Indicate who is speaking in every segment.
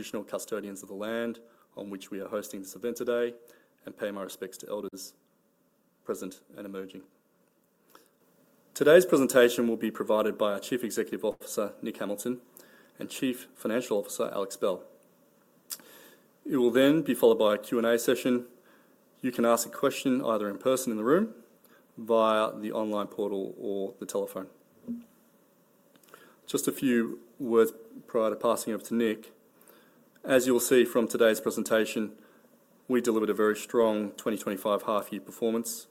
Speaker 1: Traditional Custodians of the land on which we are hosting this event today, and pay my respects to Elders present and emerging. Today's presentation will be provided by our Chief Executive Officer, Nick Hamilton, and Chief Financial Officer, Alex Bell. It will then be followed by a Q&A session. You can ask a question either in person in the room, via the online portal, or the telephone. Just a few words prior to passing over to Nick. As you'll see from today's presentation, we delivered a very strong 2025 half-year performance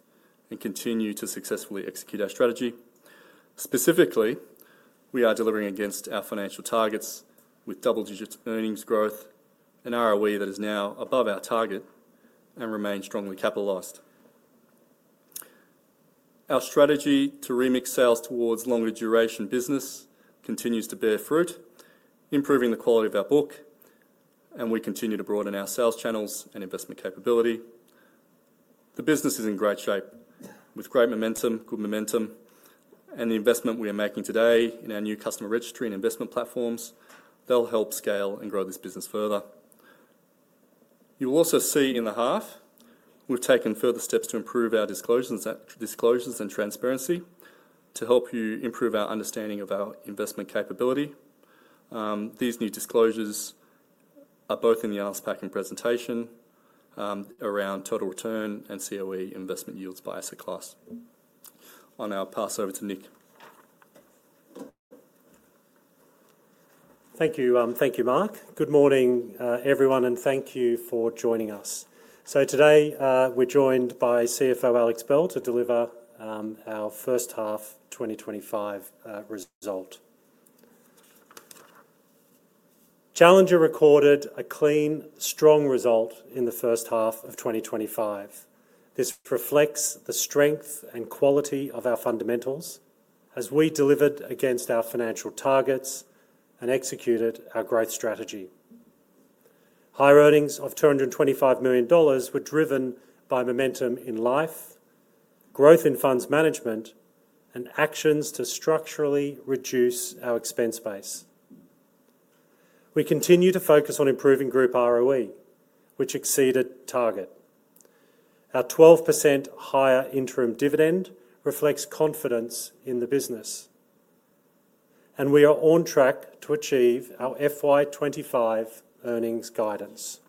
Speaker 1: and continue to successfully execute our strategy. Specifically, we are delivering against our financial targets with double-digit earnings growth, an ROE that is now above our target, and remain strongly capitalized. Our strategy to remix sales towards longer-duration business continues to bear fruit, improving the quality of our book, and we continue to broaden our sales channels and investment capability. The business is in great shape, with great momentum, good momentum, and the investment we are making today in our new customer registry and investment platforms that will help scale and grow this business further. You will also see in the half, we've taken further steps to improve our disclosures and transparency to help you improve our understanding of our investment capability. These new disclosures are both in the appendix presentation around total return and COE investment yields by asset class. On our pass over to Nick.
Speaker 2: Thank you, Mark. Good morning, everyone, and thank you for joining us. So today we're joined by CFO Alex Bell to deliver our first half 2025 result. Challenger recorded a clean, strong result in the first half of 2025. This reflects the strength and quality of our fundamentals as we delivered against our financial targets and executed our growth strategy. High earnings of $225 million were driven by momentum in life, growth in funds management, and actions to structurally reduce our expense base. We continue to focus on improving group ROE, which exceeded target. Our 12% higher interim dividend reflects confidence in the business, and we are on track to achieve our FY25 earnings guidance.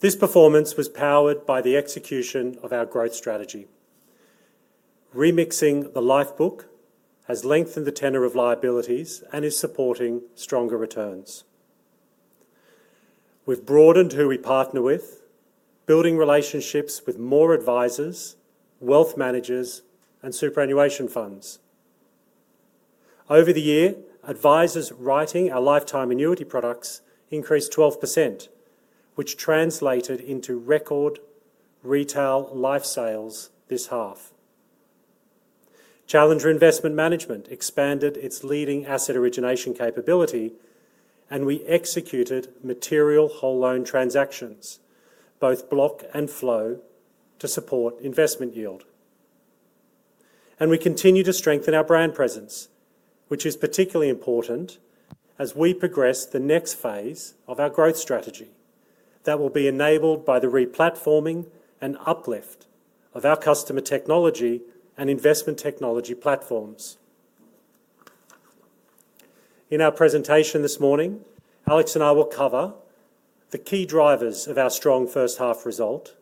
Speaker 2: This performance was powered by the execution of our growth strategy. Remixing the life book has lengthened the tenor of liabilities and is supporting stronger returns. We've broadened who we partner with, building relationships with more advisors, wealth managers, and superannuation funds. Over the year, advisors writing our lifetime annuity products increased 12%, which translated into record retail life sales this half. Challenger Investment Management expanded its leading asset origination capability, and we executed material whole loan transactions, both block and flow, to support investment yield. And we continue to strengthen our brand presence, which is particularly important as we progress the next phase of our growth strategy that will be enabled by the replatforming and uplift of our customer technology and investment technology platforms. In our presentation this morning, Alex and I will cover the key drivers of our strong first half result,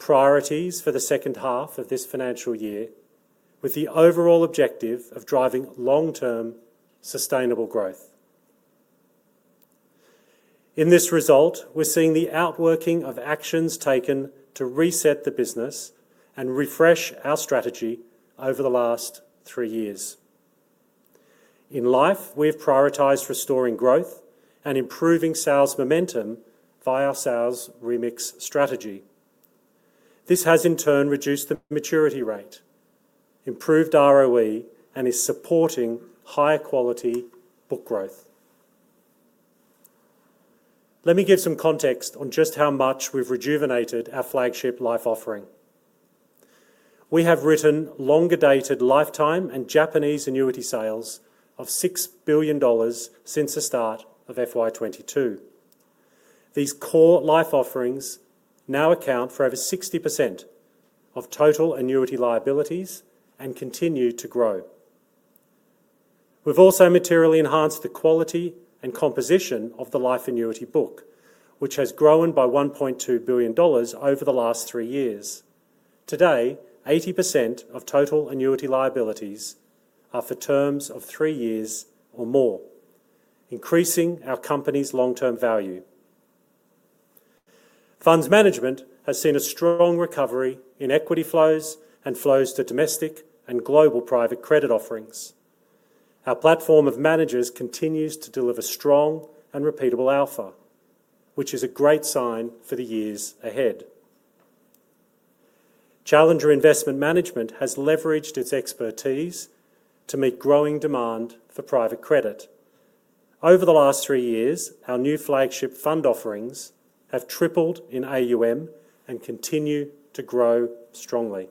Speaker 2: priorities for the second half of this financial year, with the overall objective of driving long-term sustainable growth. In this result, we're seeing the outworking of actions taken to reset the business and refresh our strategy over the last three years. In life, we have prioritized restoring growth and improving sales momentum via our sales remix strategy. This has, in turn, reduced the maturity rate, improved ROE, and is supporting higher quality book growth. Let me give some context on just how much we've rejuvenated our flagship life offering. We have written longer-dated lifetime and Japanese annuity sales of 6 billion dollars since the start of FY22. These core life offerings now account for over 60% of total annuity liabilities and continue to grow. We've also materially enhanced the quality and composition of the life annuity book, which has grown by 1.2 billion dollars over the last three years. Today, 80% of total annuity liabilities are for terms of three years or more, increasing our company's long-term value. Funds management has seen a strong recovery in equity flows and flows to domestic and global private credit offerings. Our platform of managers continues to deliver strong and repeatable alpha, which is a great sign for the years ahead. Challenger Investment Management has leveraged its expertise to meet growing demand for private credit. Over the last three years, our new flagship fund offerings have tripled in AUM and continue to grow strongly.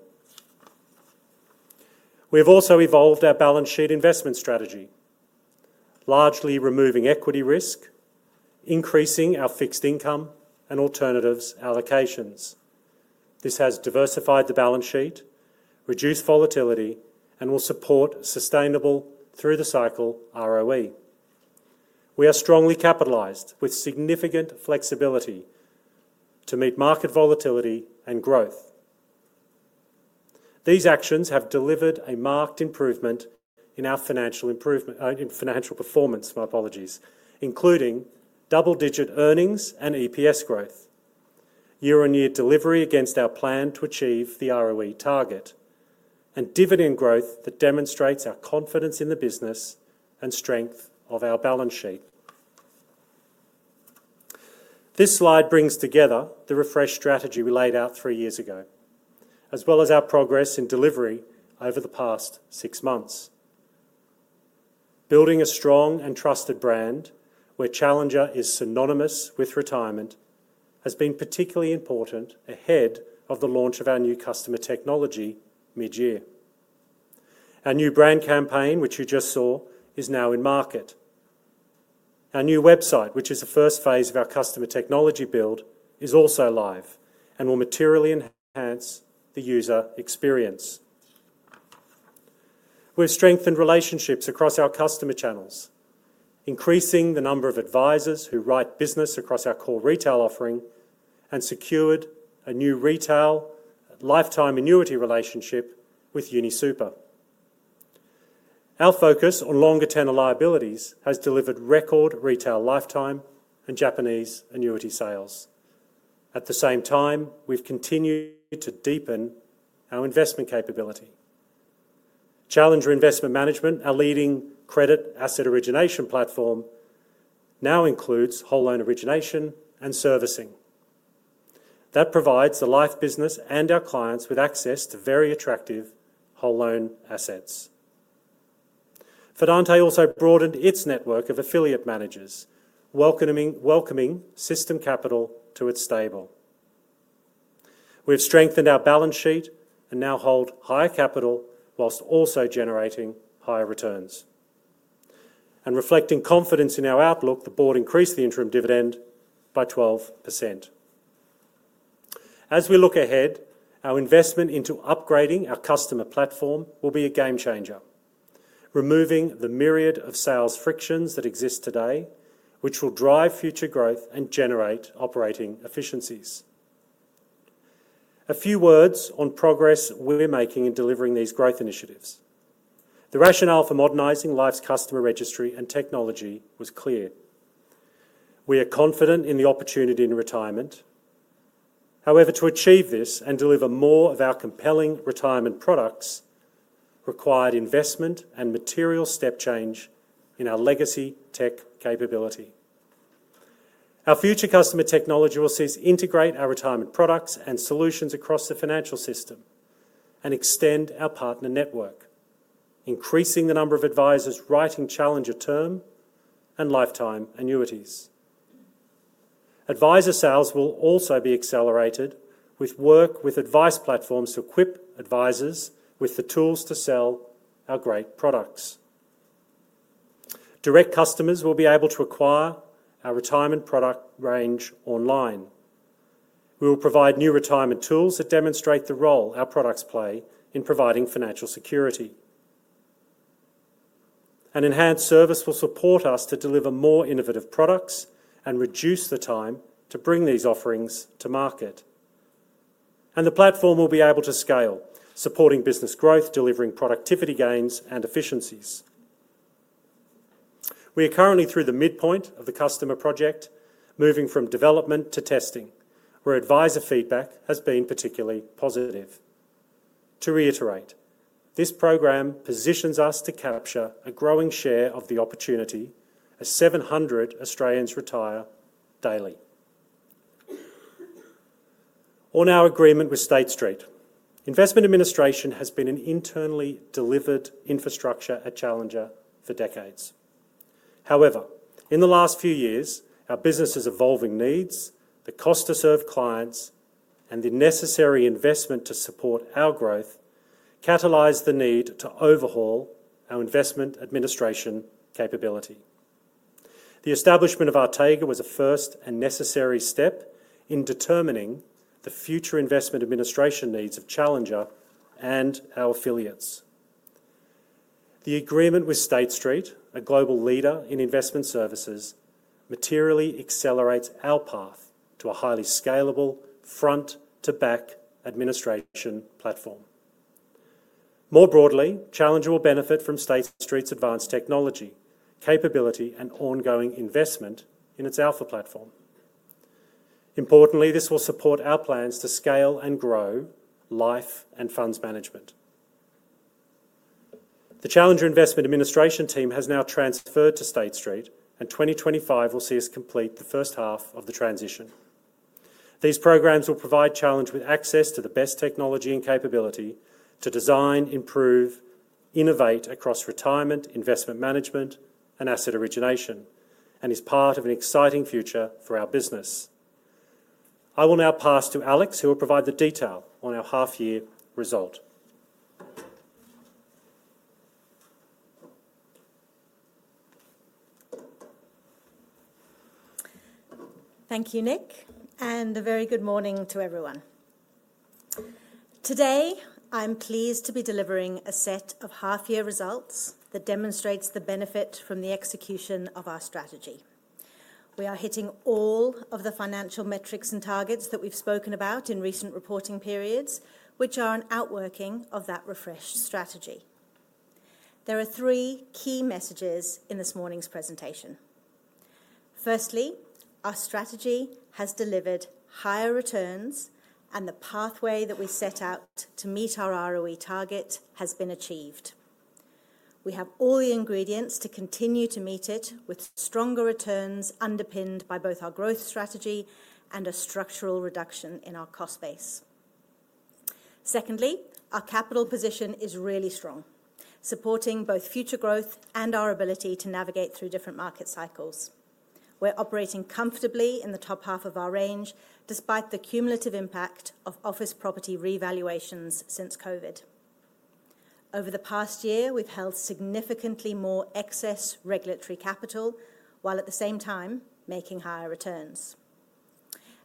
Speaker 2: We have also evolved our balance sheet investment strategy, largely removing equity risk, increasing our fixed income and alternatives allocations. This has diversified the balance sheet, reduced volatility, and will support sustainable through-the-cycle ROE. We are strongly capitalized with significant flexibility to meet market volatility and growth. These actions have delivered a marked improvement in our financial performance, my apologies, including double-digit earnings and EPS growth, year-on-year delivery against our plan to achieve the ROE target, and dividend growth that demonstrates our confidence in the business and strength of our balance sheet. This slide brings together the refreshed strategy we laid out three years ago, as well as our progress in delivery over the past six months. Building a strong and trusted brand, where Challenger is synonymous with retirement, has been particularly important ahead of the launch of our new customer technology mid-year. Our new brand campaign, which you just saw, is now in market. Our new website, which is the first phase of our customer technology build, is also live and will materially enhance the user experience. We've strengthened relationships across our customer channels, increasing the number of advisors who write business across our core retail offering, and secured a new retail lifetime annuity relationship with UniSuper. Our focus on longer-tenor liabilities has delivered record retail lifetime and Japanese annuity sales. At the same time, we've continued to deepen our investment capability. Challenger Investment Management, our leading credit asset origination platform, now includes whole loan origination and servicing. That provides the life business and our clients with access to very attractive whole loan assets. Fidante also broadened its network of affiliate managers, welcoming system capital to its stable. We've strengthened our balance sheet and now hold higher capital while also generating higher returns. And reflecting confidence in our outlook, the board increased the interim dividend by 12%. As we look ahead, our investment into upgrading our customer platform will be a game changer, removing the myriad of sales frictions that exist today, which will drive future growth and generate operating efficiencies. A few words on progress we're making in delivering these growth initiatives. The rationale for modernizing Life's customer registry and technology was clear. We are confident in the opportunity in retirement. However, to achieve this and deliver more of our compelling retirement products required investment and material step change in our legacy tech capability. Our future customer technology will integrate our retirement products and solutions across the financial system and extend our partner network, increasing the number of advisors writing Challenger term and lifetime annuities. Advisor sales will also be accelerated with work with advice platforms to equip advisors with the tools to sell our great products. Direct customers will be able to acquire our retirement product range online. We will provide new retirement tools that demonstrate the role our products play in providing financial security. An enhanced service will support us to deliver more innovative products and reduce the time to bring these offerings to market. And the platform will be able to scale, supporting business growth, delivering productivity gains, and efficiencies. We are currently through the midpoint of the customer project, moving from development to testing, where advisor feedback has been particularly positive. To reiterate, this program positions us to capture a growing share of the opportunity as 700 Australians retire daily. On our agreement with State Street, Investment Administration has been an internally delivered infrastructure at Challenger for decades. However, in the last few years, our business's evolving needs, the cost to serve clients, and the necessary investment to support our growth catalyzed the need to overhaul our investment administration capability. The establishment of Artega was a first and necessary step in determining the future investment administration needs of Challenger and our affiliates. The agreement with State Street, a global leader in investment services, materially accelerates our path to a highly scalable front-to-back administration platform. More broadly, Challenger will benefit from State Street's advanced technology, capability, and ongoing investment in its Alpha platform. Importantly, this will support our plans to scale and grow life and funds management. The Challenger Investment Administration team has now transferred to State Street, and 2025 will see us complete the first half of the transition. These programs will provide Challenger with access to the best technology and capability to design, improve, innovate across retirement, investment management, and asset origination, and is part of an exciting future for our business. I will now pass to Alex, who will provide the detail on our half-year result.
Speaker 3: Thank you, Nick, and a very good morning to everyone. Today, I'm pleased to be delivering a set of half-year results that demonstrates the benefit from the execution of our strategy. We are hitting all of the financial metrics and targets that we've spoken about in recent reporting periods, which are an outworking of that refreshed strategy. There are three key messages in this morning's presentation. Firstly, our strategy has delivered higher returns, and the pathway that we set out to meet our ROE target has been achieved. We have all the ingredients to continue to meet it with stronger returns underpinned by both our growth strategy and a structural reduction in our cost base. Secondly, our capital position is really strong, supporting both future growth and our ability to navigate through different market cycles. We're operating comfortably in the top half of our range, despite the cumulative impact of office property revaluations since COVID. Over the past year, we've held significantly more excess regulatory capital, while at the same time making higher returns,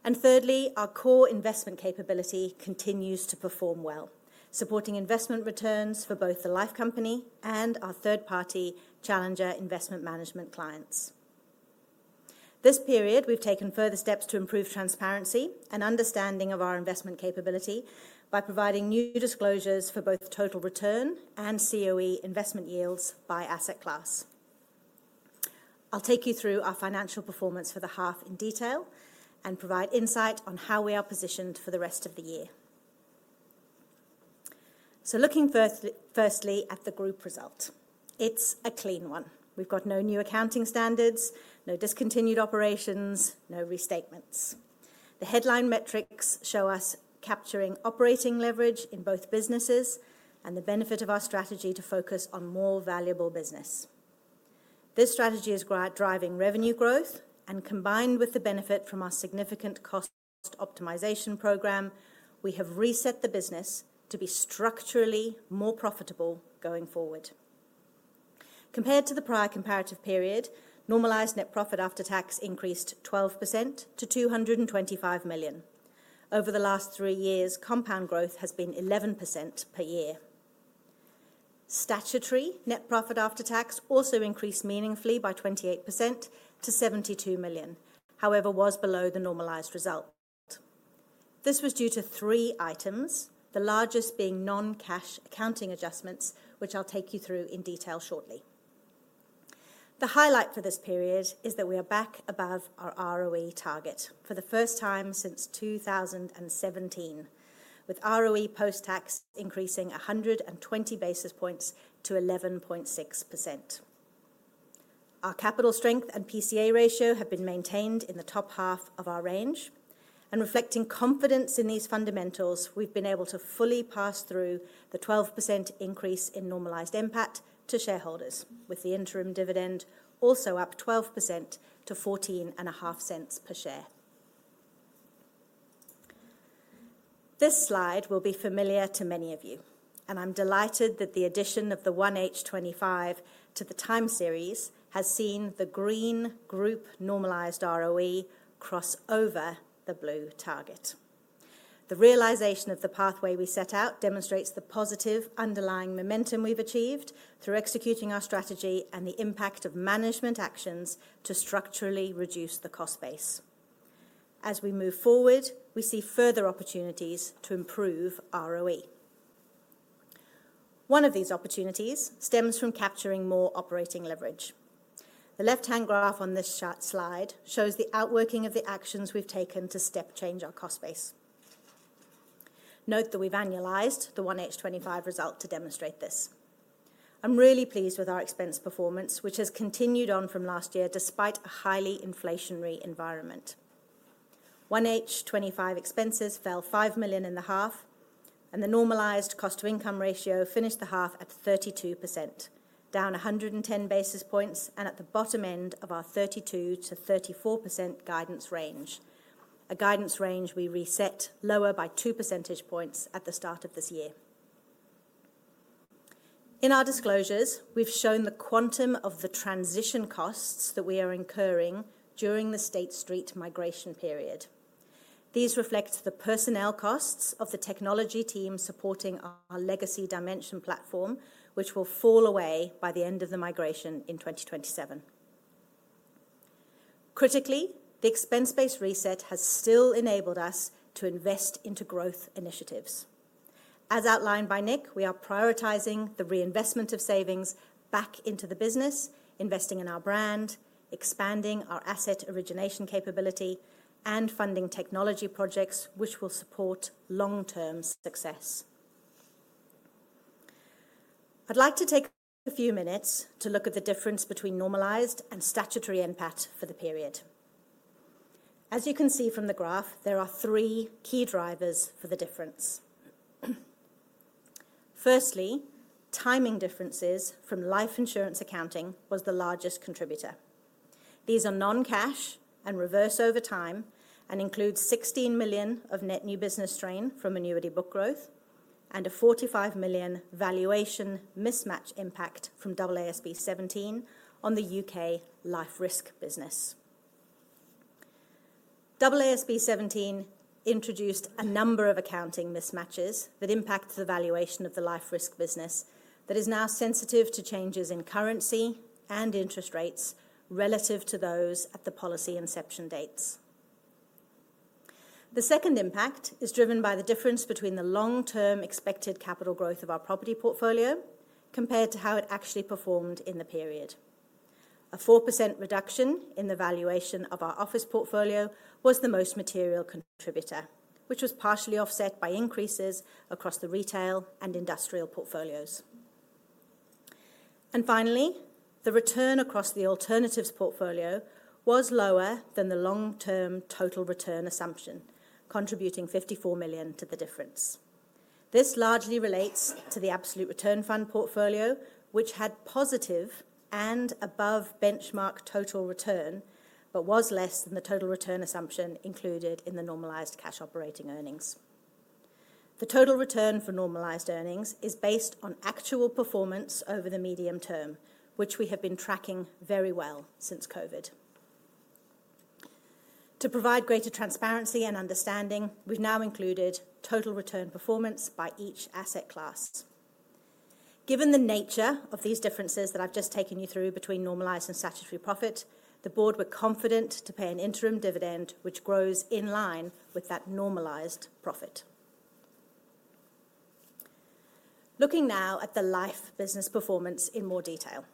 Speaker 3: and thirdly, our core investment capability continues to perform well, supporting investment returns for both the life company and our third-party Challenger Investment Management clients. This period, we've taken further steps to improve transparency and understanding of our investment capability by providing new disclosures for both total return and COE investment yields by asset class. I'll take you through our financial performance for the half in detail and provide insight on how we are positioned for the rest of the year, so looking firstly at the group result, it's a clean one. We've got no new accounting standards, no discontinued operations, no restatements. The headline metrics show us capturing operating leverage in both businesses and the benefit of our strategy to focus on more valuable business. This strategy is driving revenue growth, and combined with the benefit from our significant cost optimization program, we have reset the business to be structurally more profitable going forward. Compared to the prior comparative period, normalized net profit after tax increased 12% to 225 million. Over the last three years, compound growth has been 11% per year. Statutory net profit after tax also increased meaningfully by 28% to 72 million, however, was below the normalized result. This was due to three items, the largest being non-cash accounting adjustments, which I'll take you through in detail shortly. The highlight for this period is that we are back above our ROE target for the first time since 2017, with ROE post-tax increasing 120 basis points to 11.6%. Our capital strength and PCA ratio have been maintained in the top half of our range, and reflecting confidence in these fundamentals, we've been able to fully pass through the 12% increase in normalized impact to shareholders, with the interim dividend also up 12% to 0.14 per share. This slide will be familiar to many of you, and I'm delighted that the addition of the 1H25 to the time series has seen the green group normalized ROE cross over the blue target. The realization of the pathway we set out demonstrates the positive underlying momentum we've achieved through executing our strategy and the impact of management actions to structurally reduce the cost base. As we move forward, we see further opportunities to improve ROE. One of these opportunities stems from capturing more operating leverage. The left-hand graph on this slide shows the outworking of the actions we've taken to step change our cost base. Note that we've annualized the 1H25 result to demonstrate this. I'm really pleased with our expense performance, which has continued on from last year despite a highly inflationary environment. 1H25 expenses fell 5 million in the half, and the normalized cost-to-income ratio finished the half at 32%, down 110 basis points and at the bottom end of our 32%-34% guidance range, a guidance range we reset lower by two percentage points at the start of this year. In our disclosures, we've shown the quantum of the transition costs that we are incurring during the State Street migration period. These reflect the personnel costs of the technology team supporting our legacy Dimension platform, which will fall away by the end of the migration in 2027. Critically, the expense-based reset has still enabled us to invest into growth initiatives. As outlined by Nick, we are prioritizing the reinvestment of savings back into the business, investing in our brand, expanding our asset origination capability, and funding technology projects which will support long-term success. I'd like to take a few minutes to look at the difference between normalized and statutory impact for the period. As you can see from the graph, there are three key drivers for the difference. Firstly, timing differences from life insurance accounting was the largest contributor. These are non-cash and reverse over time and include 16 million of net new business strain from annuity book growth and a 45 million valuation mismatch impact from AASB 17 on the U.K. life risk business. AASB 17 introduced a number of accounting mismatches that impact the valuation of the life risk business that is now sensitive to changes in currency and interest rates relative to those at the policy inception dates. The second impact is driven by the difference between the long-term expected capital growth of our property portfolio compared to how it actually performed in the period. A 4% reduction in the valuation of our office portfolio was the most material contributor, which was partially offset by increases across the retail and industrial portfolios. And finally, the return across the alternatives portfolio was lower than the long-term total return assumption, contributing 54 million to the difference. This largely relates to the absolute return fund portfolio, which had positive and above benchmark total return, but was less than the total return assumption included in the normalised cash operating earnings. The total return for normalized earnings is based on actual performance over the medium term, which we have been tracking very well since COVID. To provide greater transparency and understanding, we've now included total return performance by each asset class. Given the nature of these differences that I've just taken you through between normalized and statutory profit, the board were confident to pay an interim dividend which grows in line with that normalized profit. Looking now at the life business performance in more detail,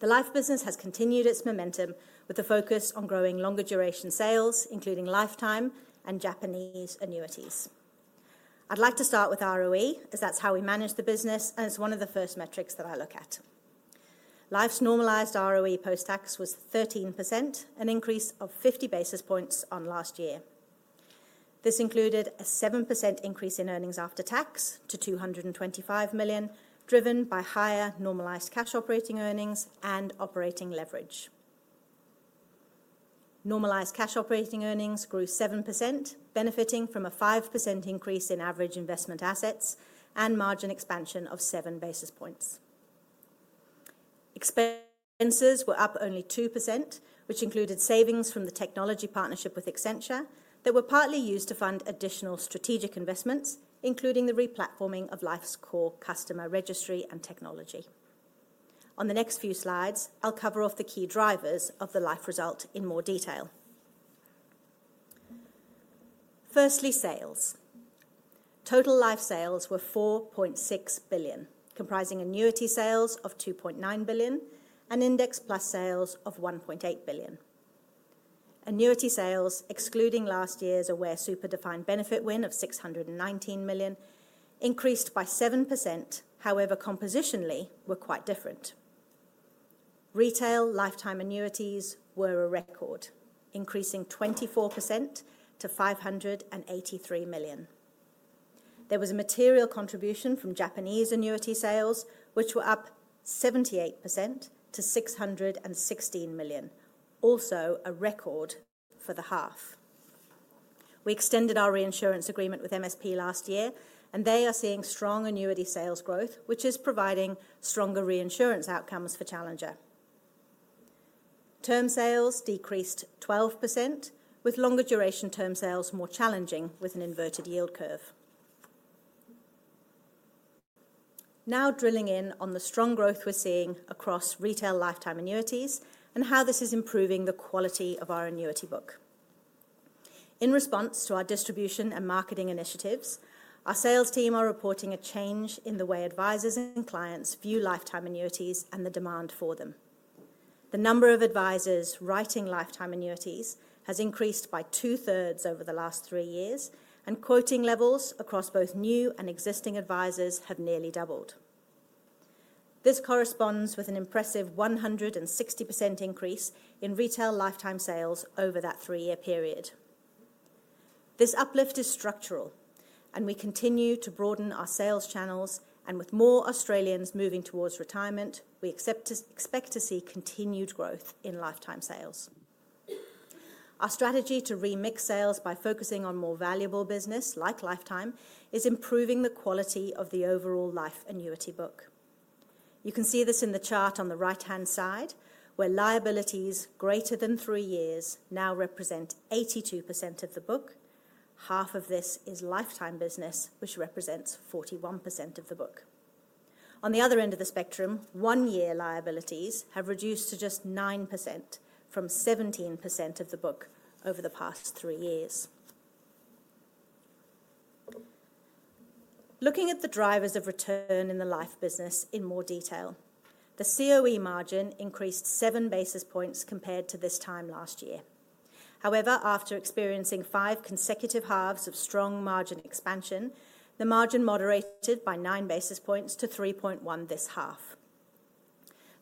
Speaker 3: the life business has continued its momentum with a focus on growing longer duration sales, including lifetime and Japanese annuities. I'd like to start with ROE, as that's how we manage the business, and it's one of the first metrics that I look at. Life's normalized ROE post-tax was 13%, an increase of 50 basis points on last year. This included a 7% increase in earnings after tax to $225 million, driven by higher normalized cash operating earnings and operating leverage. Normalized cash operating earnings grew 7%, benefiting from a 5% increase in average investment assets and margin expansion of 7 basis points. Expenses were up only 2%, which included savings from the technology partnership with Accenture that were partly used to fund additional strategic investments, including the replatforming of Life's core customer registry and technology. On the next few slides, I'll cover off the key drivers of the life result in more detail. Firstly, sales. Total life sales were $4.6 billion, comprising annuity sales of $2.9 billion and Index Plus sales of $1.8 billion. Annuity sales, excluding last year's Aware Super defined benefit win of $619 million, increased by 7%; however, compositionally were quite different. Retail lifetime annuities were a record, increasing 24% to $583 million. There was a material contribution from Japanese annuity sales, which were up 78% to 616 million, also a record for the half. We extended our reinsurance agreement with MSP last year, and they are seeing strong annuity sales growth, which is providing stronger reinsurance outcomes for Challenger. Term sales decreased 12%, with longer duration term sales more challenging with an inverted yield curve. Now drilling in on the strong growth we're seeing across retail lifetime annuities and how this is improving the quality of our annuity book. In response to our distribution and marketing initiatives, our sales team are reporting a change in the way advisors and clients view lifetime annuities and the demand for them. The number of advisors writing lifetime annuities has increased by two-thirds over the last three years, and quoting levels across both new and existing advisors have nearly doubled. This corresponds with an impressive 160% increase in retail lifetime sales over that three-year period. This uplift is structural, and we continue to broaden our sales channels, and with more Australians moving towards retirement, we expect to see continued growth in lifetime sales. Our strategy to remix sales by focusing on more valuable business like lifetime is improving the quality of the overall life annuity book. You can see this in the chart on the right-hand side, where liabilities greater than three years now represent 82% of the book. Half of this is lifetime business, which represents 41% of the book. On the other end of the spectrum, one-year liabilities have reduced to just 9% from 17% of the book over the past three years. Looking at the drivers of return in the life business in more detail, the COE margin increased seven basis points compared to this time last year. However, after experiencing five consecutive halves of strong margin expansion, the margin moderated by nine basis points to 3.1 this half.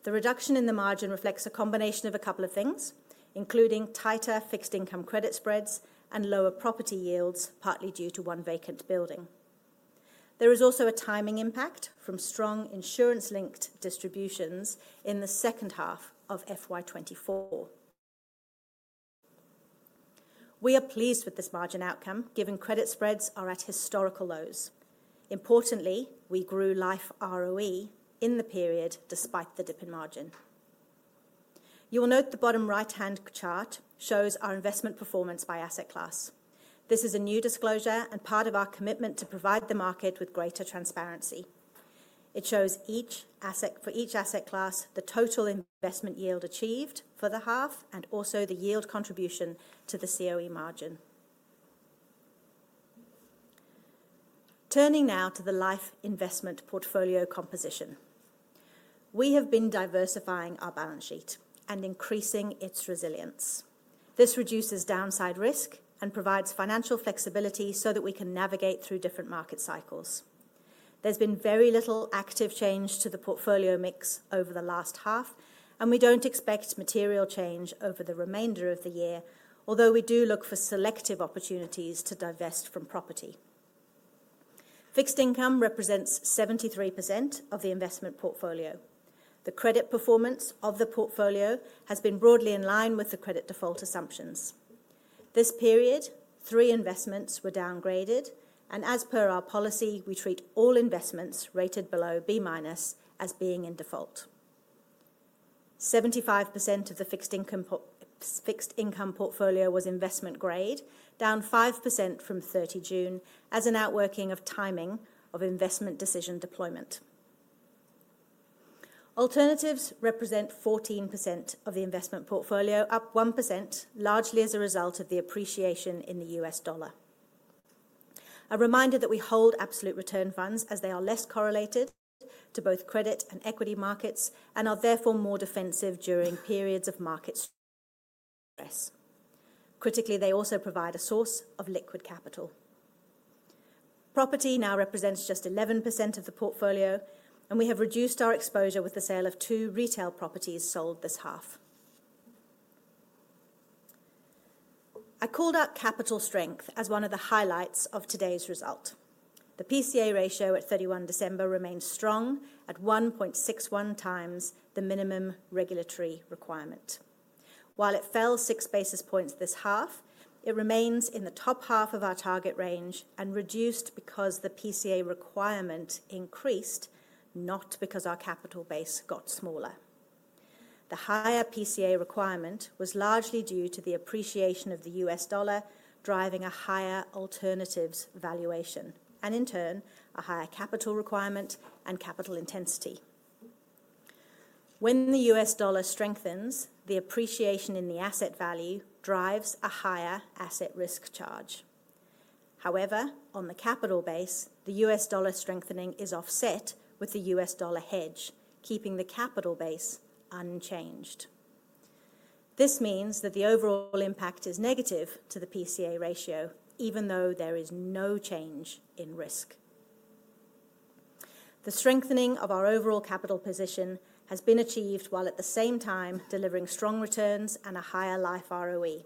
Speaker 3: The reduction in the margin reflects a combination of a couple of things, including tighter fixed income credit spreads and lower property yields, partly due to one vacant building. There is also a timing impact from strong insurance-linked distributions in the second half of FY 2024. We are pleased with this margin outcome, given credit spreads are at historical lows. Importantly, we grew life ROE in the period despite the dip in margin. You will note the bottom right-hand chart shows our investment performance by asset class. This is a new disclosure and part of our commitment to provide the market with greater transparency. It shows each asset for each asset class, the total investment yield achieved for the half, and also the yield contribution to the COE margin. Turning now to the life investment portfolio composition, we have been diversifying our balance sheet and increasing its resilience. This reduces downside risk and provides financial flexibility so that we can navigate through different market cycles. There's been very little active change to the portfolio mix over the last half, and we don't expect material change over the remainder of the year, although we do look for selective opportunities to divest from property. Fixed income represents 73% of the investment portfolio. The credit performance of the portfolio has been broadly in line with the credit default assumptions. This period, three investments were downgraded, and as per our policy, we treat all investments rated below B minus as being in default. 75% of the fixed income portfolio was investment grade, down 5% from 30 June as an outworking of timing of investment decision deployment. Alternatives represent 14% of the investment portfolio, up 1%, largely as a result of the appreciation in the U.S. dollar. A reminder that we hold absolute return funds as they are less correlated to both credit and equity markets and are therefore more defensive during periods of market stress. Critically, they also provide a source of liquid capital. Property now represents just 11% of the portfolio, and we have reduced our exposure with the sale of two retail properties sold this half. I called out capital strength as one of the highlights of today's result. The PCA ratio at 31 December remains strong at 1.61 times the minimum regulatory requirement. While it fell six basis points this half, it remains in the top half of our target range and reduced because the PCA requirement increased, not because our capital base got smaller. The higher PCA requirement was largely due to the appreciation of the US dollar driving a higher alternatives valuation and, in turn, a higher capital requirement and capital intensity. When the US dollar strengthens, the appreciation in the asset value drives a higher asset risk charge. However, on the capital base, the US dollar strengthening is offset with the US dollar hedge, keeping the capital base unchanged. This means that the overall impact is negative to the PCA ratio, even though there is no change in risk. The strengthening of our overall capital position has been achieved while at the same time delivering strong returns and a higher life ROE.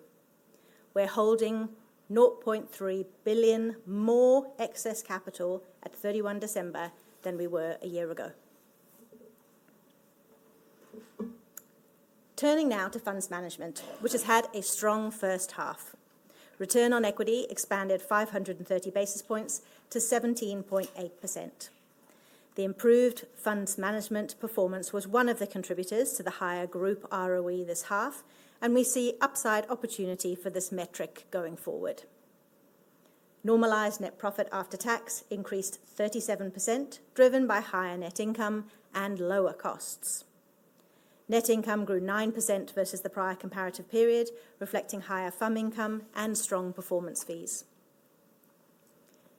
Speaker 3: We're holding 0.3 billion more excess capital at 31 December than we were a year ago. Turning now to funds management, which has had a strong first half. Return on equity expanded 530 basis points to 17.8%. The improved funds management performance was one of the contributors to the higher group ROE this half, and we see upside opportunity for this metric going forward. Normalized net profit after tax increased 37%, driven by higher net income and lower costs. Net income grew 9% versus the prior comparative period, reflecting higher firm income and strong performance fees.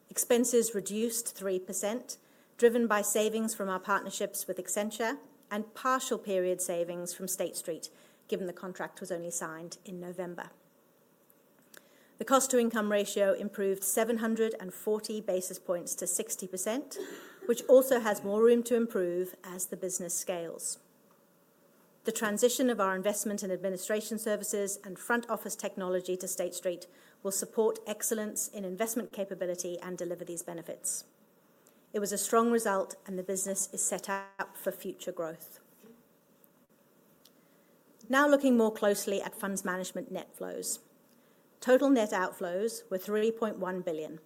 Speaker 3: Expenses reduced 3%, driven by savings from our partnerships with Accenture and partial period savings from State Street, given the contract was only signed in November. The cost-to-income ratio improved 740 basis points to 60%, which also has more room to improve as the business scales. The transition of our investment and administration services and front office technology to State Street will support excellence in investment capability and deliver these benefits. It was a strong result, and the business is set up for future growth. Now looking more closely at funds management net flows. Total net outflows were 3.1 billion,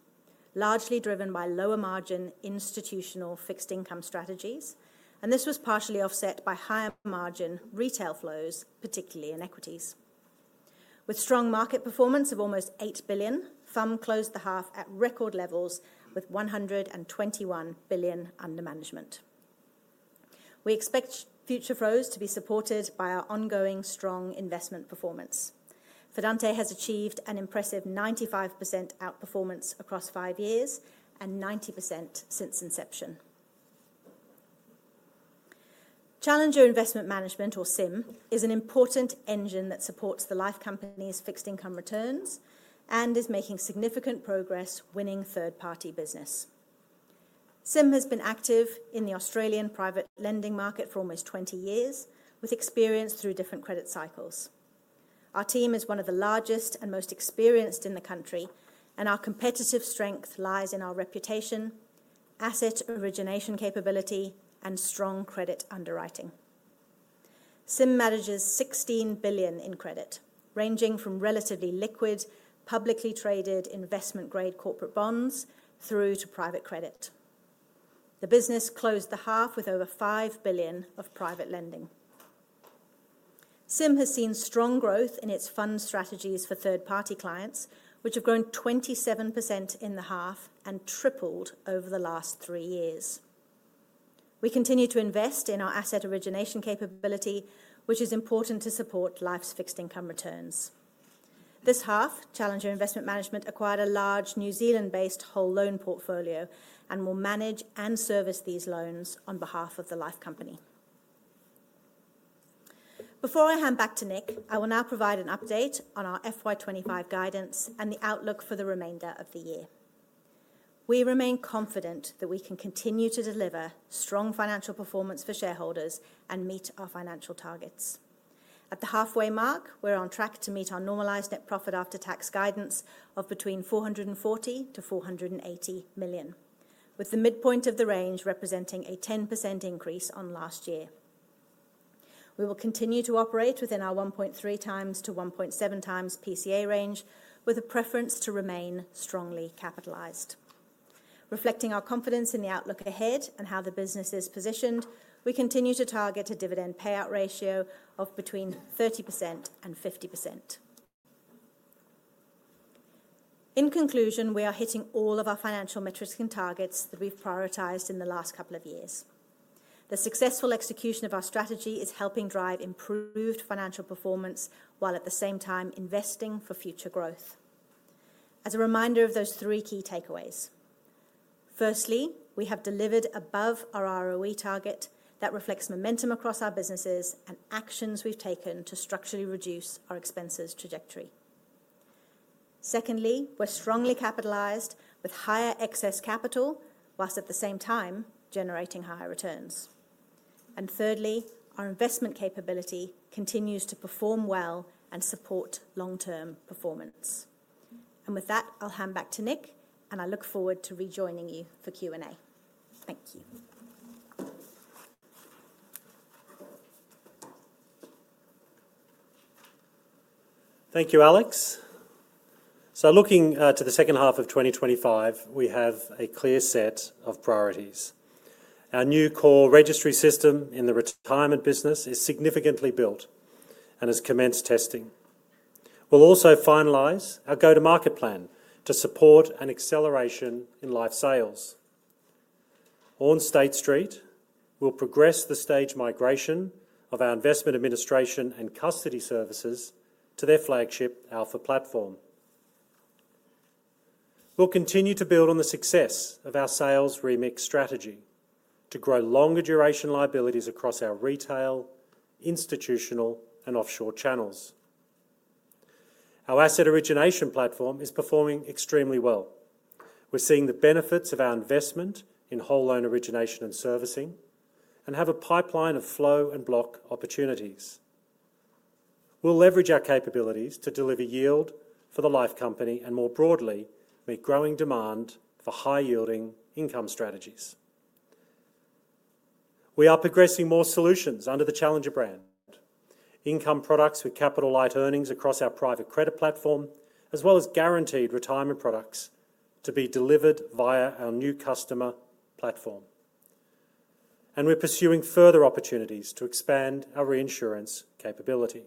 Speaker 3: largely driven by lower margin institutional fixed income strategies, and this was partially offset by higher margin retail flows, particularly in equities. With strong market performance of almost 8 billion, firm closed the half at record levels with 121 billion under management. We expect future flows to be supported by our ongoing strong investment performance. Fidante has achieved an impressive 95% outperformance across five years and 90% since inception. Challenger Investment Management, or SIM, is an important engine that supports the life company's fixed income returns and is making significant progress winning third-party business. SIM has been active in the Australian private lending market for almost 20 years, with experience through different credit cycles. Our team is one of the largest and most experienced in the country, and our competitive strength lies in our reputation, asset origination capability, and strong credit underwriting. SIM manages 16 billion in credit, ranging from relatively liquid, publicly traded investment-grade corporate bonds through to private credit. The business closed the half with over 5 billion of private lending. SIM has seen strong growth in its fund strategies for third-party clients, which have grown 27% in the half and tripled over the last three years. We continue to invest in our asset origination capability, which is important to support life's fixed income returns. This half, Challenger Investment Management acquired a large New Zealand-based whole loan portfolio and will manage and service these loans on behalf of the life company. Before I hand back to Nick, I will now provide an update on our FY25 guidance and the outlook for the remainder of the year. We remain confident that we can continue to deliver strong financial performance for shareholders and meet our financial targets. At the halfway mark, we're on track to meet our normalized net profit after tax guidance of between 440 million to 480 million, with the midpoint of the range representing a 10% increase on last year. We will continue to operate within our 1.3 times to 1.7 times PCA range, with a preference to remain strongly capitalized. Reflecting our confidence in the outlook ahead and how the business is positioned, we continue to target a dividend payout ratio of between 30% and 50%. In conclusion, we are hitting all of our financial metrics and targets that we've prioritized in the last couple of years. The successful execution of our strategy is helping drive improved financial performance while at the same time investing for future growth. As a reminder of those three key takeaways, firstly, we have delivered above our ROE target that reflects momentum across our businesses and actions we've taken to structurally reduce our expenses trajectory. Secondly, we're strongly capitalized with higher excess capital, while at the same time generating higher returns. And thirdly, our investment capability continues to perform well and support long-term performance. And with that, I'll hand back to Nick, and I look forward to rejoining you for Q&A. Thank you.
Speaker 2: Thank you, Alex. So looking to the second half of 2025, we have a clear set of priorities. Our new core registry system in the retirement business is significantly built and has commenced testing. We'll also finalize our go-to-market plan to support an acceleration in life sales. On State Street, we'll progress the stage migration of our investment administration and custody services to their flagship Alpha platform. We'll continue to build on the success of our sales remix strategy to grow longer duration liabilities across our retail, institutional, and offshore channels. Our asset origination platform is performing extremely well. We're seeing the benefits of our investment in whole loan origination and servicing and have a pipeline of flow and block opportunities. We'll leverage our capabilities to deliver yield for the life company and, more broadly, meet growing demand for high-yielding income strategies. We are progressing more solutions under the Challenger brand, income products with capital-light earnings across our private credit platform, as well as guaranteed retirement products to be delivered via our new customer platform, and we're pursuing further opportunities to expand our reinsurance capability.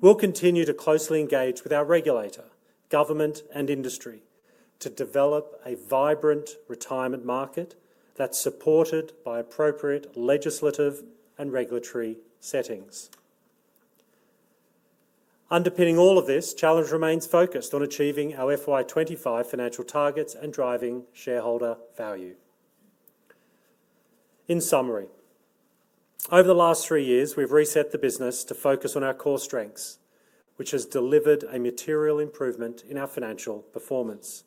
Speaker 2: We'll continue to closely engage with our regulator, government, and industry to develop a vibrant retirement market that's supported by appropriate legislative and regulatory settings. Underpinning all of this, Challenger remains focused on achieving our FY25 financial targets and driving shareholder value. In summary, over the last three years, we've reset the business to focus on our core strengths, which has delivered a material improvement in our financial performance.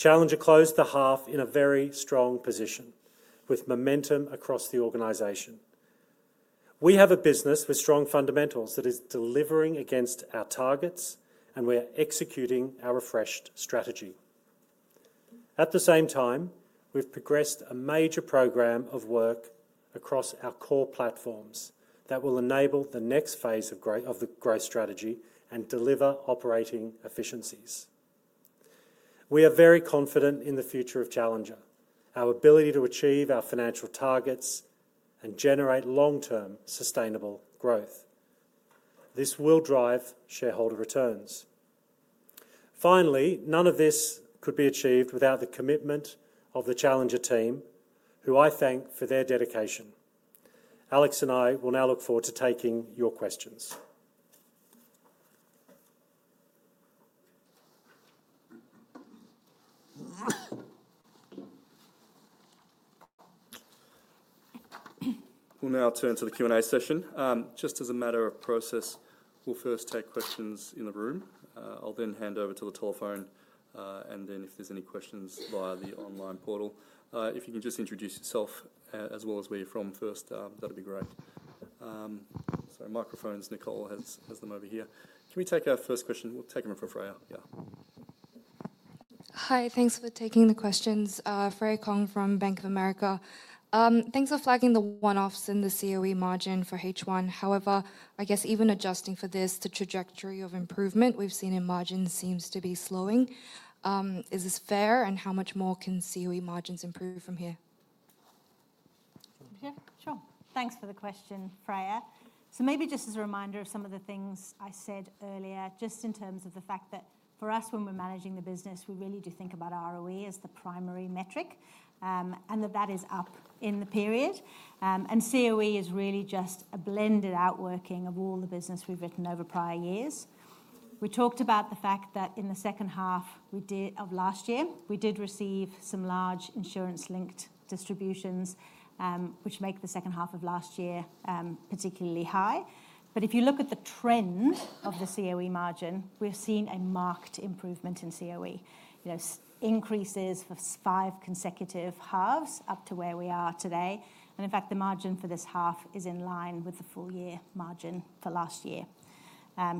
Speaker 2: Challenger closed the half in a very strong position with momentum across the organization. We have a business with strong fundamentals that is delivering against our targets, and we're executing our refreshed strategy. At the same time, we've progressed a major program of work across our core platforms that will enable the next phase of the growth strategy and deliver operating efficiencies. We are very confident in the future of Challenger, our ability to achieve our financial targets and generate long-term sustainable growth. This will drive shareholder returns. Finally, none of this could be achieved without the commitment of the Challenger team, who I thank for their dedication. Alex and I will now look forward to taking your questions.
Speaker 1: We'll now turn to the Q&A session. Just as a matter of process, we'll first take questions in the room. I'll then hand over to the telephone, and then if there's any questions via the online portal, if you can just introduce yourself as well as where you're from first, that'd be great. So microphones, Nicole has them over here. Can we take our first question? We'll take them from Freya. Yeah.
Speaker 4: Hi, thanks for taking the questions. Freya Kong from Bank of America. Thanks for flagging the one-offs in the COE margin for H1. However, I guess even adjusting for this, the trajectory of improvement we've seen in margins seems to be slowing. Is this fair, and how much more can COE margins improve from here?
Speaker 3: Yeah, sure. Thanks for the question, Freya. So maybe just as a reminder of some of the things I said earlier, just in terms of the fact that for us, when we're managing the business, we really do think about ROE as the primary metric, and that that is up in the period. And COE is really just a blended outworking of all the business we've written over prior years. We talked about the fact that in the second half of last year, we did receive some large insurance-linked distributions, which make the second half of last year particularly high. But if you look at the trend of the COE margin, we've seen a marked improvement in COE, increases for five consecutive halves up to where we are today. And in fact, the margin for this half is in line with the full-year margin for last year.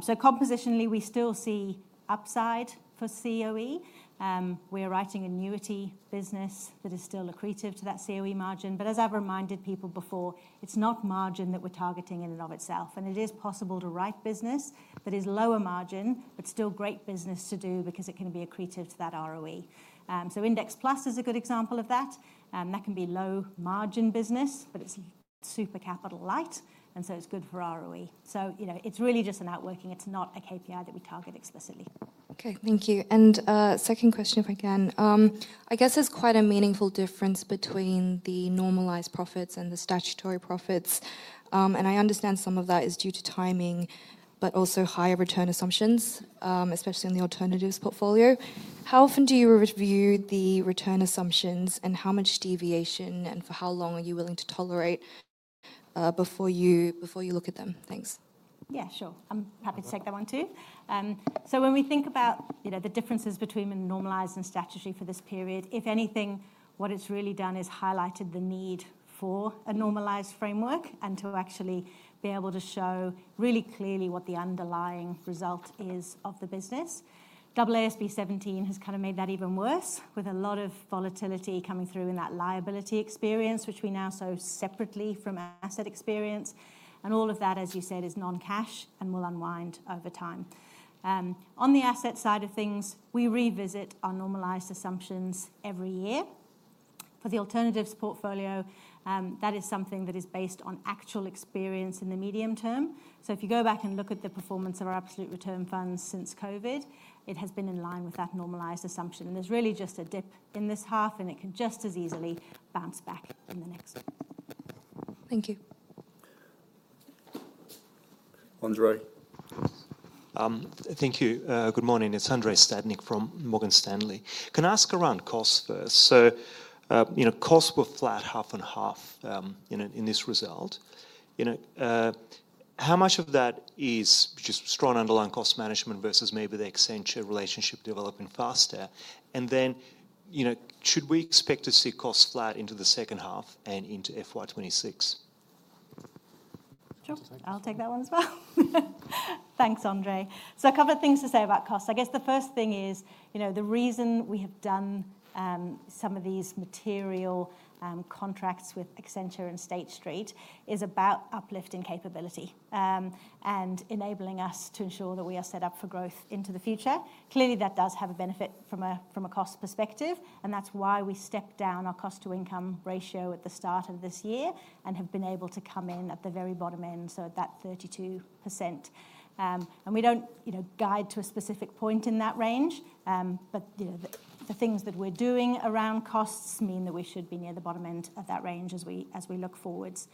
Speaker 3: So compositionally, we still see upside for COE. We are writing an annuity business that is still accretive to that COE margin. But as I've reminded people before, it's not margin that we're targeting in and of itself. And it is possible to write business that is lower margin, but still great business to do because it can be accretive to that ROE. So Index Plus is a good example of that. That can be low margin business, but it's super capital-light, and so it's good for ROE. So it's really just an outworking. It's not a KPI that we target explicitly.
Speaker 4: Okay, thank you. And second question, if I can. I guess there's quite a meaningful difference between the normalized profits and the statutory profits. And I understand some of that is due to timing, but also higher return assumptions, especially in the alternatives portfolio. How often do you review the return assumptions, and how much deviation, and for how long are you willing to tolerate before you look at them? Thanks.
Speaker 3: Yeah, sure. I'm happy to take that one too. So when we think about the differences between normalized and statutory for this period, if anything, what it's really done is highlighted the need for a normalized framework and to actually be able to show really clearly what the underlying result is of the business. 17 has kind of made that even worse with a lot of volatility coming through in that liability experience, which we now saw separately from asset experience, and all of that, as you said, is non-cash and will unwind over time. On the asset side of things, we revisit our normalized assumptions every year. For the alternatives portfolio, that is something that is based on actual experience in the medium term. So if you go back and look at the performance of our absolute return funds since COVID, it has been in line with that normalized assumption, and there's really just a dip in this half, and it can just as easily bounce back in the next one.
Speaker 4: Thank you.
Speaker 1: Andrei.
Speaker 5: Thank you. Good morning. It's Andrei Stadnyk from Morgan Stanley. Can I ask around cost first? So costs were flat half and half in this result. How much of that is just strong underlying cost management versus maybe the Accenture relationship developing faster? And then should we expect to see costs flat into the second half and into FY26?
Speaker 3: Sure. I'll take that one as well. Thanks, Andrei. So a couple of things to say about costs. I guess the first thing is the reason we have done some of these material contracts with Accenture and State Street is about uplifting capability and enabling us to ensure that we are set up for growth into the future. Clearly, that does have a benefit from a cost perspective, and that's why we stepped down our cost-to-income ratio at the start of this year and have been able to come in at the very bottom end, so at that 32%. We don't guide to a specific point in that range, but the things that we're doing around costs mean that we should be near the bottom end of that range as we look forwards.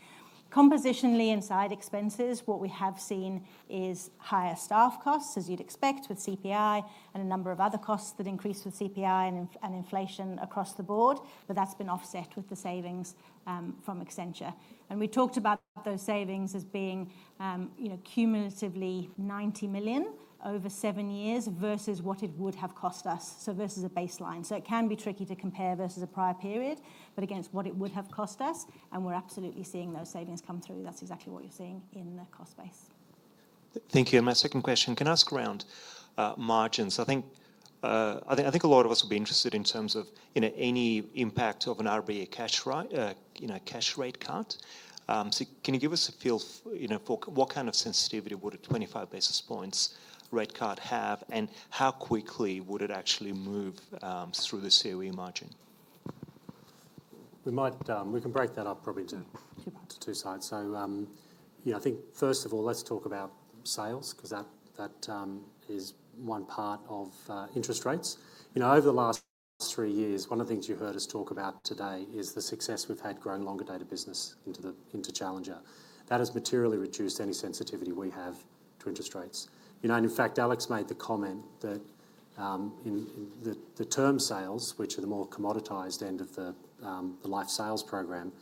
Speaker 3: Compositionally inside expenses, what we have seen is higher staff costs, as you'd expect with CPI and a number of other costs that increase with CPI and inflation across the board, but that's been offset with the savings from Accenture. We talked about those savings as being cumulatively 90 million over seven years versus what it would have cost us, so versus a baseline. It can be tricky to compare versus a prior period, but against what it would have cost us, and we're absolutely seeing those savings come through. That's exactly what you're seeing in the cost base.
Speaker 5: Thank you. My second question, can I ask around margins?
Speaker 3: I think a lot of us will be interested in terms of any impact of an RBA cash rate cut. So can you give us a feel for what kind of sensitivity would a 25 basis points rate cut have, and how quickly would it actually move through the COE margin?
Speaker 1: We can break that up probably into two parts. So I think, first of all, let's talk about sales because that is one part of interest rates. Over the last three years, one of the things you heard us talk about today is the success we've had growing longer-dated business into Challenger. That has materially reduced any sensitivity we have to interest rates. In fact, Alex made the comment that the term sales, which are the more commoditized end of the life sales program,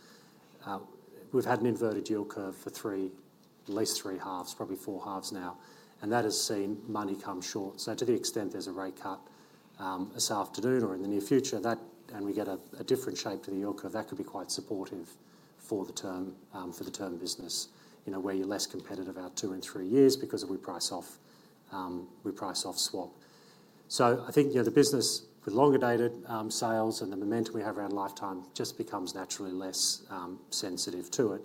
Speaker 1: we've had an inverted yield curve for at least three halves, probably four halves now, and that has seen money come short. So to the extent there's a rate cut this afternoon or in the near future, and we get a different shape to the yield curve, that could be quite supportive for the term business where you're less competitive out two and three years because we price off swap. So I think the business with longer dated sales and the momentum we have around lifetime just becomes naturally less sensitive to it.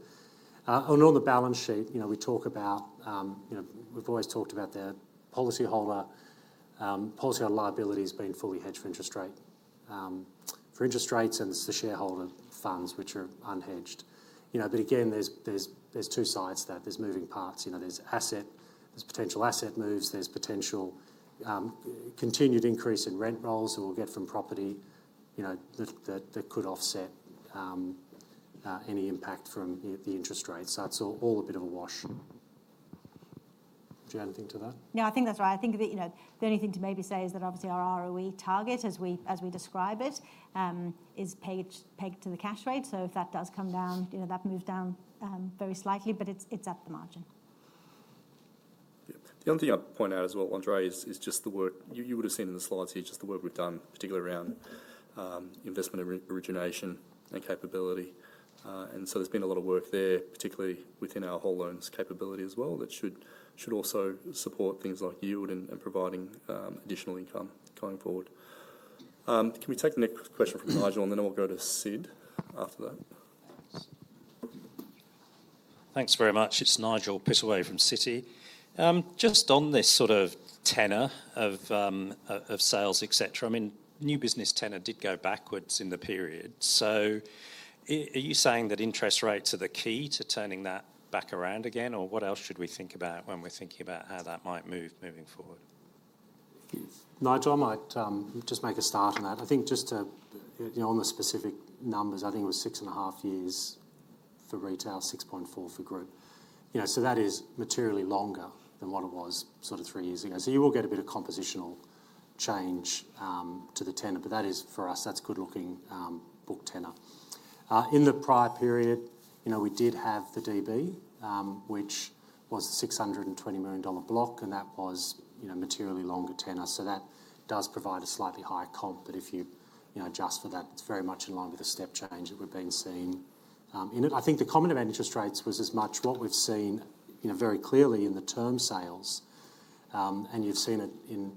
Speaker 1: On the balance sheet, we talk about we've always talked about the policyholder liabilities being fully hedged for interest rates. For interest rates, and it's the shareholder funds which are unhedged. But again, there's two sides to that. There's moving parts. There's potential asset moves. There's potential continued increase in rent rolls that we'll get from property that could offset any impact from the interest rates. So it's all a bit of a wash. Do you have anything to that?
Speaker 3: No, I think that's right. I think the only thing to maybe say is that obviously our ROE target, as we describe it, is pegged to the cash rate. So if that does come down, that moves down very slightly, but it's at the margin.
Speaker 1: The only thing I'd point out as well, Andrei, is just the work you would have seen in the slides here, just the work we've done, particularly around investment origination and capability. So there's been a lot of work there, particularly within our whole loans capability as well, that should also support things like yield and providing additional income going forward. Can we take the next question from Nigel, and then we'll go to Sid after that?
Speaker 6: Thanks very much. It's Nigel Pittaway from Citi. Just on this sort of tenor of sales, etc., I mean, new business tenor did go backward in the period. So are you saying that interest rates are the key to turning that back around again, or what else should we think about when we're thinking about how that might move moving forward?
Speaker 1: Nigel, I might just make a start on that. I think just on the specific numbers, I think it was six and a half years for retail, 6.4 for group. So that is materially longer than what it was sort of three years ago. So you will get a bit of compositional change to the tenor, but for us, that's good-looking book tenor. In the prior period, we did have the DB, which was a 620 million dollar block, and that was materially longer tenor. So that does provide a slightly higher comp, but if you adjust for that, it's very much in line with the step change that we've been seeing in it. I think the comment about interest rates was as much what we've seen very clearly in the term sales, and you've seen it in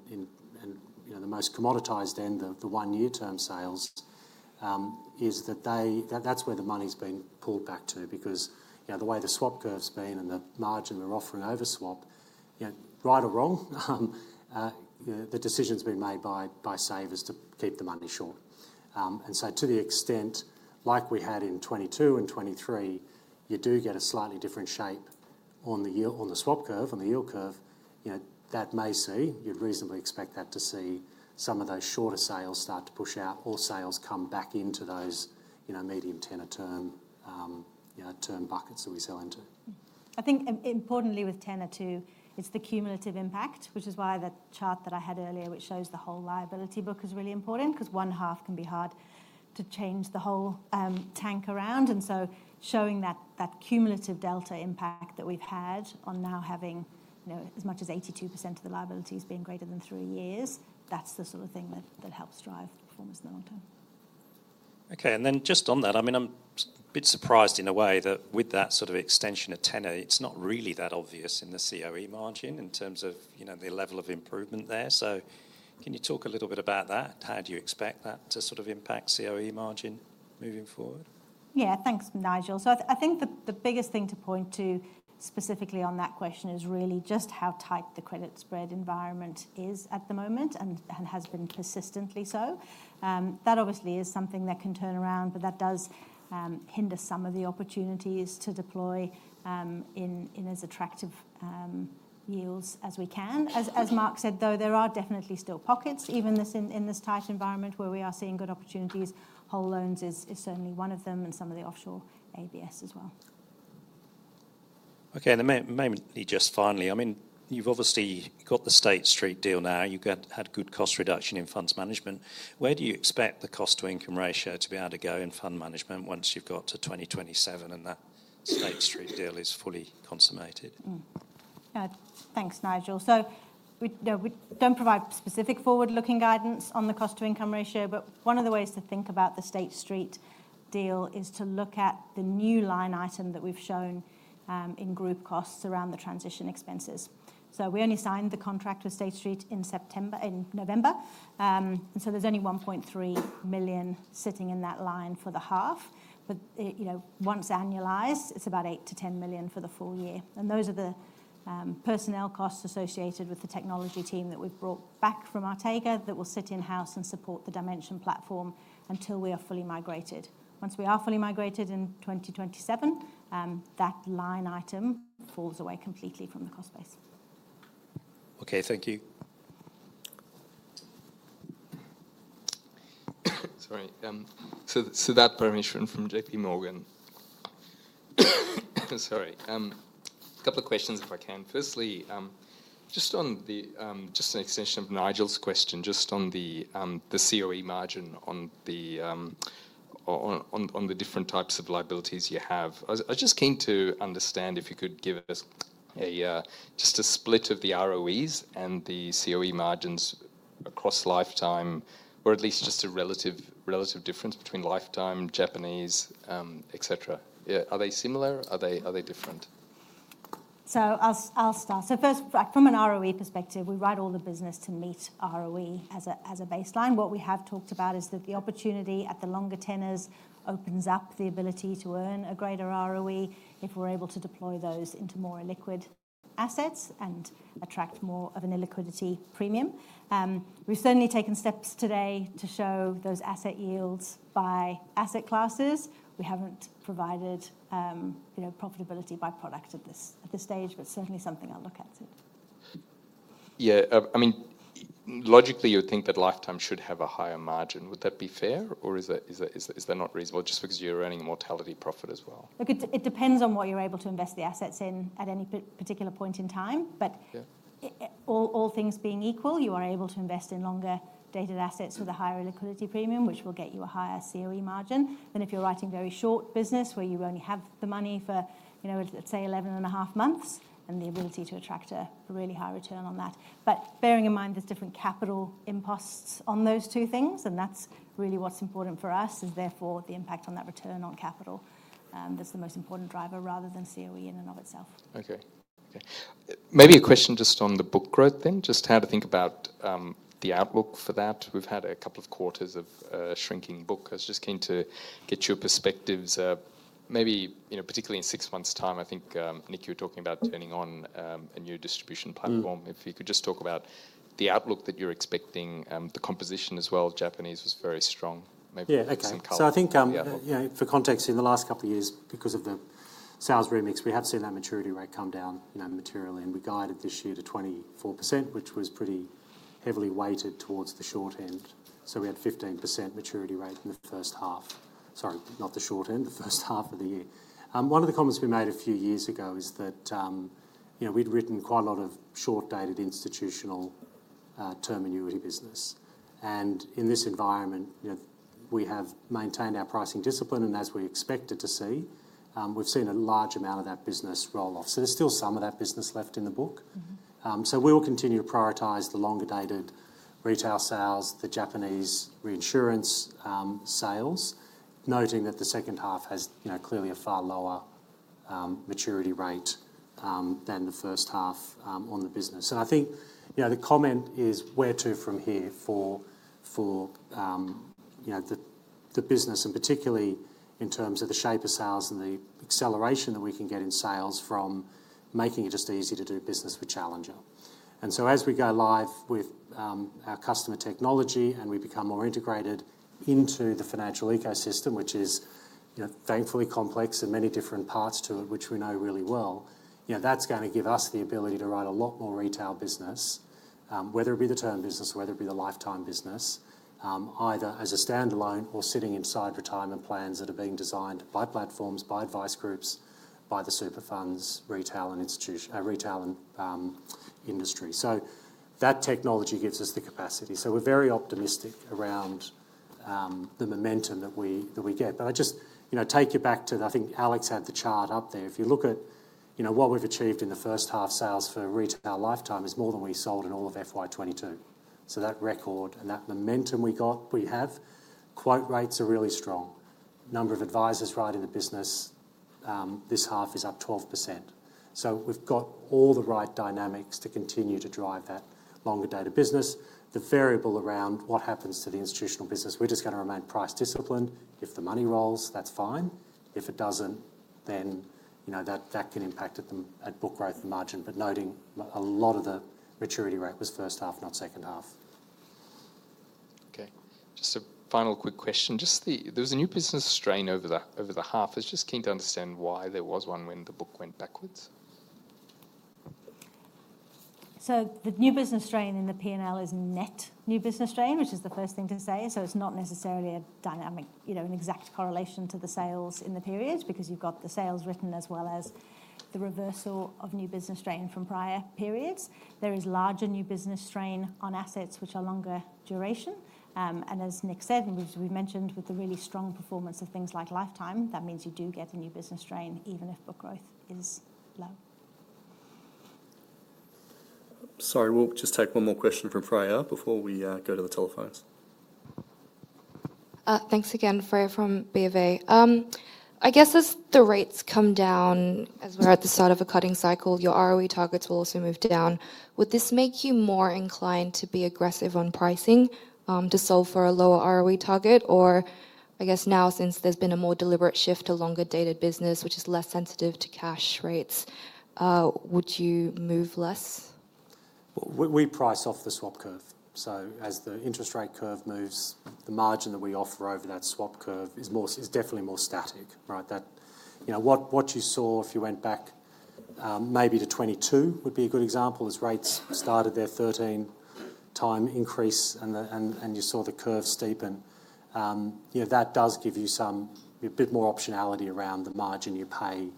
Speaker 1: the most commoditized end, the one-year term sales, is that that's where the money's been pulled back to because the way the swap curve's been and the margin we're offering over swap, right or wrong, the decision's been made by savers to keep the money short. And so to the extent, like we had in 2022 and 2023, you do get a slightly different shape on the swap curve, on the yield curve, that may see you'd reasonably expect that to see some of those shorter sales start to push out or sales come back into those medium tenor term buckets that we sell into.
Speaker 3: I think importantly with tenor too, it's the cumulative impact, which is why the chart that I had earlier, which shows the whole liability book, is really important because one half can be hard to change the whole tank around. And so showing that cumulative delta impact that we've had on now having as much as 82% of the liabilities being greater than three years, that's the sort of thing that helps drive performance in the long term.
Speaker 6: Okay. And then just on that, I mean, I'm a bit surprised in a way that with that sort of extension of tenor, it's not really that obvious in the COE margin in terms of the level of improvement there. So can you talk a little bit about that? How do you expect that to sort of impact COE margin moving forward?
Speaker 3: Yeah, thanks, Nigel. So I think the biggest thing to point to specifically on that question is really just how tight the credit spread environment is at the moment and has been persistently so. That obviously is something that can turn around, but that does hinder some of the opportunities to deploy in as attractive yields as we can. As Mark said, though, there are definitely still pockets, even in this tight environment where we are seeing good opportunities. Whole loans is certainly one of them and some of the offshore ABS as well. Okay. And maybe just finally, I mean, you've obviously got the State Street deal now. You've had good cost reduction in funds management. Where do you expect the cost-to-income ratio to be able to go in funds management once you've got to 2027 and that State Street deal is fully consummated?
Speaker 7: Thanks, Nigel. We don't provide specific forward-looking guidance on the cost-to-income ratio, but one of the ways to think about the State Street deal is to look at the new line item that we've shown in group costs around the transition expenses. We only signed the contract with State Street in November, and so there's only 1.3 million sitting in that line for the half. But once annualized, it's about 8-10 million for the full year. And those are the personnel costs associated with the technology team that we've brought back from Artega that will sit in-house and support the Dimension platform until we are fully migrated. Once we are fully migrated in 2027, that line item falls away completely from the cost base.
Speaker 6: Okay, thank you.
Speaker 8: Sorry. Siddharth Parameswaran from JPMorgan. Sorry. A couple of questions if I can. Firstly, just an extension of Nigel's question, just on the COE margin on the different types of liabilities you have. I was just keen to understand if you could give us just a split of the ROEs and the COE margins across lifetime, or at least just a relative difference between lifetime, Japanese, etc. Are they similar? Are they different?
Speaker 3: So I'll start. So first, from an ROE perspective, we write all the business to meet ROE as a baseline. What we have talked about is that the opportunity at the longer tenors opens up the ability to earn a greater ROE if we're able to deploy those into more illiquid assets and attract more of an illiquidity premium. We've certainly taken steps today to show those asset yields by asset classes. We haven't provided profitability by product at this stage, but certainly something I'll look at.
Speaker 8: Yeah. I mean, logically, you would think that lifetime should have a higher margin. Would that be fair, or is that not reasonable just because you're earning a mortality profit as well?
Speaker 3: It depends on what you're able to invest the assets in at any particular point in time. But all things being equal, you are able to invest in longer dated assets with a higher illiquidity premium, which will get you a higher COE margin than if you're writing very short business where you only have the money for, let's say, 11 and a half months and the ability to attract a really high return on that. But bearing in mind there's different capital imposts on those two things, and that's really what's important for us is therefore the impact on that return on capital. That's the most important driver rather than COE in and of itself.
Speaker 8: Okay. Maybe a question just on the book growth thing, just how to think about the outlook for that. We've had a couple of quarters of shrinking book. I was just keen to get your perspectives. Maybe particularly in six months' time, I think Nikki was talking about turning on a new distribution platform. If you could just talk about the outlook that you're expecting, the composition as well. Japanese was very strong. Maybe some color.
Speaker 1: Yeah. So I think for context, in the last couple of years, because of the sales remix, we have seen that maturity rate come down materially, and we guided this year to 24%, which was pretty heavily weighted towards the short end. So we had 15% maturity rate in the first half. Sorry, not the short end, the first half of the year. One of the comments we made a few years ago is that we'd written quite a lot of short-dated institutional term annuity business, and in this environment, we have maintained our pricing discipline, and as we expected to see, we've seen a large amount of that business roll off, so there's still some of that business left in the book, so we will continue to prioritize the longer dated retail sales, the Japanese reinsurance sales, noting that the second half has clearly a far lower maturity rate than the first half on the business, and I think the comment is where to from here for the business, and particularly in terms of the shape of sales and the acceleration that we can get in sales from making it just easy to do business with Challenger. And so as we go live with our customer technology and we become more integrated into the financial ecosystem, which is thankfully complex and many different parts to it, which we know really well, that's going to give us the ability to write a lot more retail business, whether it be the term business, whether it be the lifetime business, either as a standalone or sitting inside retirement plans that are being designed by platforms, by advice groups, by the super funds, retail and industry. So that technology gives us the capacity. So we're very optimistic around the momentum that we get. But I just take you back to, I think Alex had the chart up there. If you look at what we've achieved in the first half sales for retail lifetime is more than we sold in all of FY22. So that record and that momentum we got, we have. Quoted rates are really strong. Number of advisors writing in the business, this half is up 12%. So we've got all the right dynamics to continue to drive that longer dated business. The variable around what happens to the institutional business, we're just going to remain price disciplined. If the money rolls, that's fine. If it doesn't, then that can impact book growth and margin, but noting a lot of the maturities were first half, not second half.
Speaker 8: Okay. Just a final quick question. There was a new business strain over the half. I was just keen to understand why there was one when the book went backwards.
Speaker 3: So the new business strain in the P&L is net new business strain, which is the first thing to say. So it's not necessarily an exact correlation to the sales in the periods because you've got the sales written as well as the reversal of new business strain from prior periods. There is larger new business strain on assets which are longer duration. And as Nick said, and we've mentioned with the really strong performance of things like lifetime, that means you do get a new business strain even if book growth is low.
Speaker 1: Sorry, we'll just take one more question from Freya before we go to the telephones.
Speaker 4: Thanks again, Freya from BofA. I guess as the rates come down, as we're at the start of a cutting cycle, your ROE targets will also move down. Would this make you more inclined to be aggressive on pricing to solve for a lower ROE target? Or I guess now since there's been a more deliberate shift to longer dated business, which is less sensitive to cash rates, would you move less?
Speaker 1: We price off the swap curve. So as the interest rate curve moves, the margin that we offer over that swap curve is definitely more static, right? What you saw if you went back maybe to 2022 would be a good example. As rates started their 2013 time increase and you saw the curve steepen, that does give you a bit more optionality around the margin you pay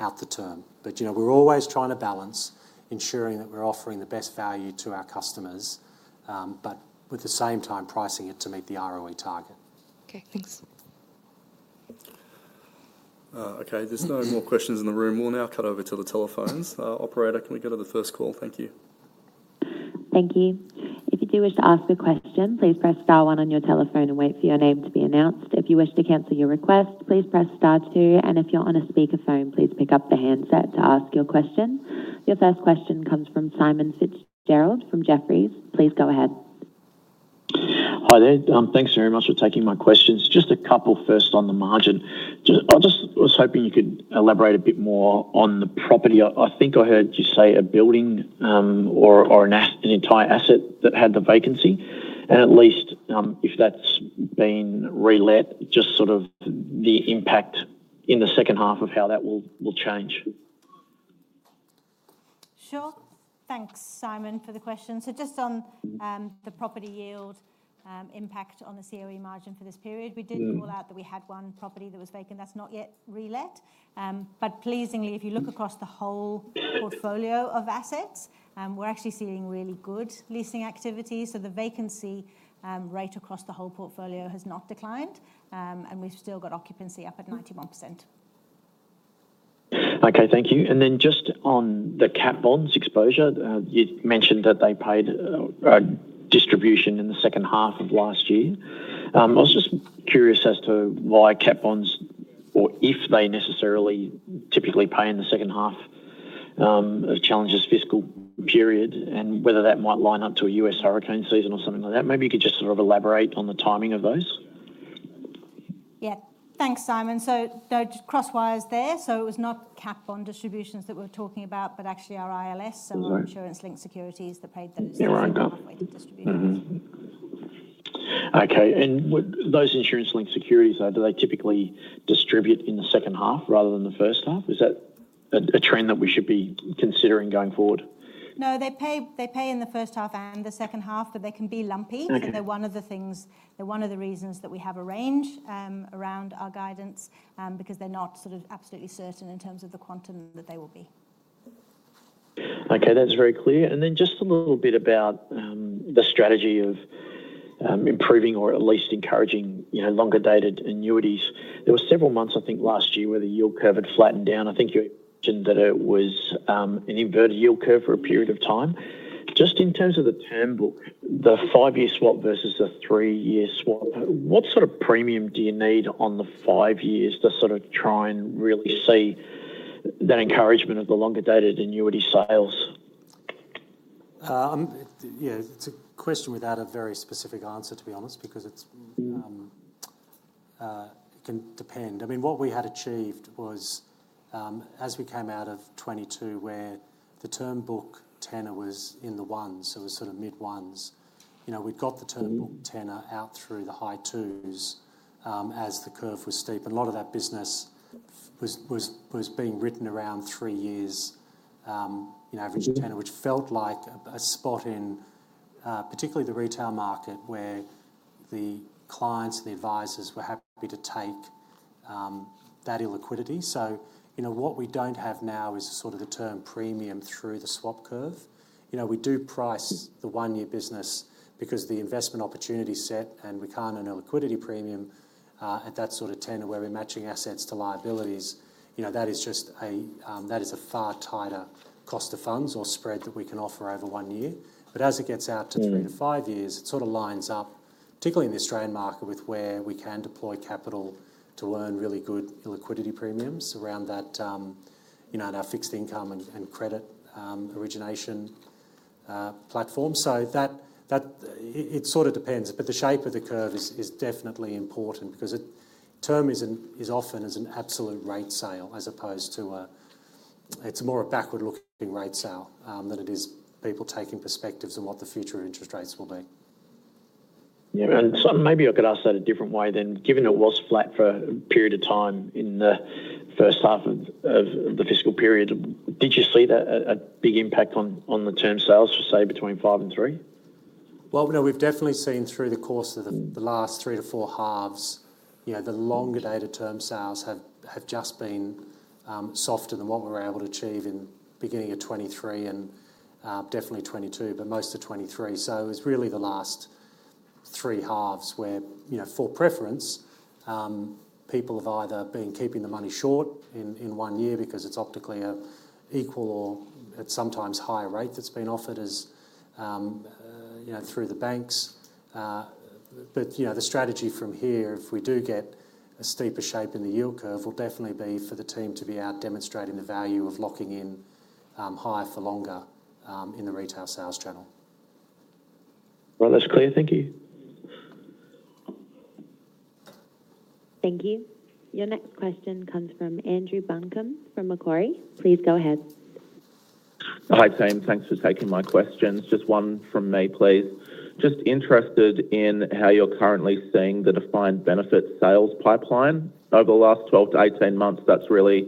Speaker 1: out the term. But we're always trying to balance ensuring that we're offering the best value to our customers, but with the same time pricing it to meet the ROE target.
Speaker 4: Okay, thanks.
Speaker 1: Okay, there's no more questions in the room. We'll now cut over to the telephones. Operator, can we go to the first call? Thank you.
Speaker 9: Thank you. If you do wish to ask a question, please press star one on your telephone and wait for your name to be announced. If you wish to cancel your request, please press star two. And if you're on a speakerphone, please pick up the handset to ask your question. Your first question comes from Simon Fitzgerald from Jefferies. Please go ahead.
Speaker 10: Hi there. Thanks very much for taking my questions. Just a couple first on the margin. I was hoping you could elaborate a bit more on the property. I think I heard you say a building or an entire asset that had the vacancy. And at least if that's been relet, just sort of the impact in the second half of how that will change.
Speaker 3: Sure. Thanks, Simon, for the question. So just on the property yield impact on the COE margin for this period, we did call out that we had one property that was vacant that's not yet relet. But pleasingly, if you look across the whole portfolio of assets, we're actually seeing really good leasing activity. So the vacancy rate across the whole portfolio has not declined, and we've still got occupancy up at 91%.
Speaker 10: Okay, thank you. And then just on the cat bonds exposure, you mentioned that they paid distribution in the second half of last year. I was just curious as to why cat bonds, or if they necessarily typically pay in the second half, Challenger's fiscal period and whether that might line up to a U.S. hurricane season or something like that. Maybe you could just sort of elaborate on the timing of those.
Speaker 3: Yeah. Thanks, Simon. So no crosswires there. So it was not cat bond distributions that we're talking about, but actually our ILS and the insurance-linked securities that paid those distributions.
Speaker 10: Okay. And those insurance-linked securities, do they typically distribute in the second half rather than the first half? Is that a trend that we should be considering going forward?
Speaker 3: No, they pay in the first half and the second half, but they can be lumpy. They're one of the things, they're one of the reasons that we have a range around our guidance because they're not sort of absolutely certain in terms of the quantum that they will be.
Speaker 10: Okay, that's very clear. And then just a little bit about the strategy of improving or at least encouraging longer dated annuities. There were several months, I think last year, where the yield curve had flattened down. I think you mentioned that it was an inverted yield curve for a period of time. Just in terms of the term book, the five-year swap versus the three-year swap, what sort of premium do you need on the five years to sort of try and really see that encouragement of the longer dated annuity sales?
Speaker 1: Yeah, it's a question without a very specific answer, to be honest, because it can depend. I mean, what we had achieved was as we came out of 2022, where the term book tenor was in the ones, so it was sort of mid-ones, we'd got the term book tenor out through the high twos as the curve was steep. A lot of that business was being written around three years in average tenor, which felt like a sweet spot, particularly in the retail market where the clients and the advisors were happy to take that illiquidity. So what we don't have now is sort of the term premium through the swap curve. We do price the one-year business because of the investment opportunity set, and we can't earn a liquidity premium at that sort of tenor where we're matching assets to liabilities. That is just a far tighter cost of funds or spread that we can offer over one year. But as it gets out to three to five years, it sort of lines up, particularly in the Australian market, with where we can deploy capital to earn really good liquidity premiums around that, our fixed income and credit origination platform. It sort of depends, but the shape of the curve is definitely important because term is often as an absolute rate sale as opposed to a. It's more a backward-looking rate sale than it is people taking perspectives on what the future of interest rates will be.
Speaker 10: Yeah. Maybe I could ask that a different way then. Given it was flat for a period of time in the first half of the fiscal period, did you see a big impact on the term sales, say, between five and three?
Speaker 1: Well, we've definitely seen through the course of the last three to four halves, the longer dated term sales have just been softer than what we were able to achieve in the beginning of 2023 and definitely 2022, but most of 2023. It was really the last three halves where, for preference, people have either been keeping the money short in one year because it's optically an equal or at sometimes higher rate that's been offered through the banks. But the strategy from here, if we do get a steeper shape in the yield curve, will definitely be for the team to be out demonstrating the value of locking in higher for longer in the retail sales channel.
Speaker 10: Well, that's clear. Thank you.
Speaker 9: Thank you. Your next question comes from Andrew Buncombe from Macquarie. Please go ahead.
Speaker 11: Hi, Sam. Thanks for taking my questions. Just one from me, please. Just interested in how you're currently seeing the defined benefit sales pipeline over the last 12-18 months. That's really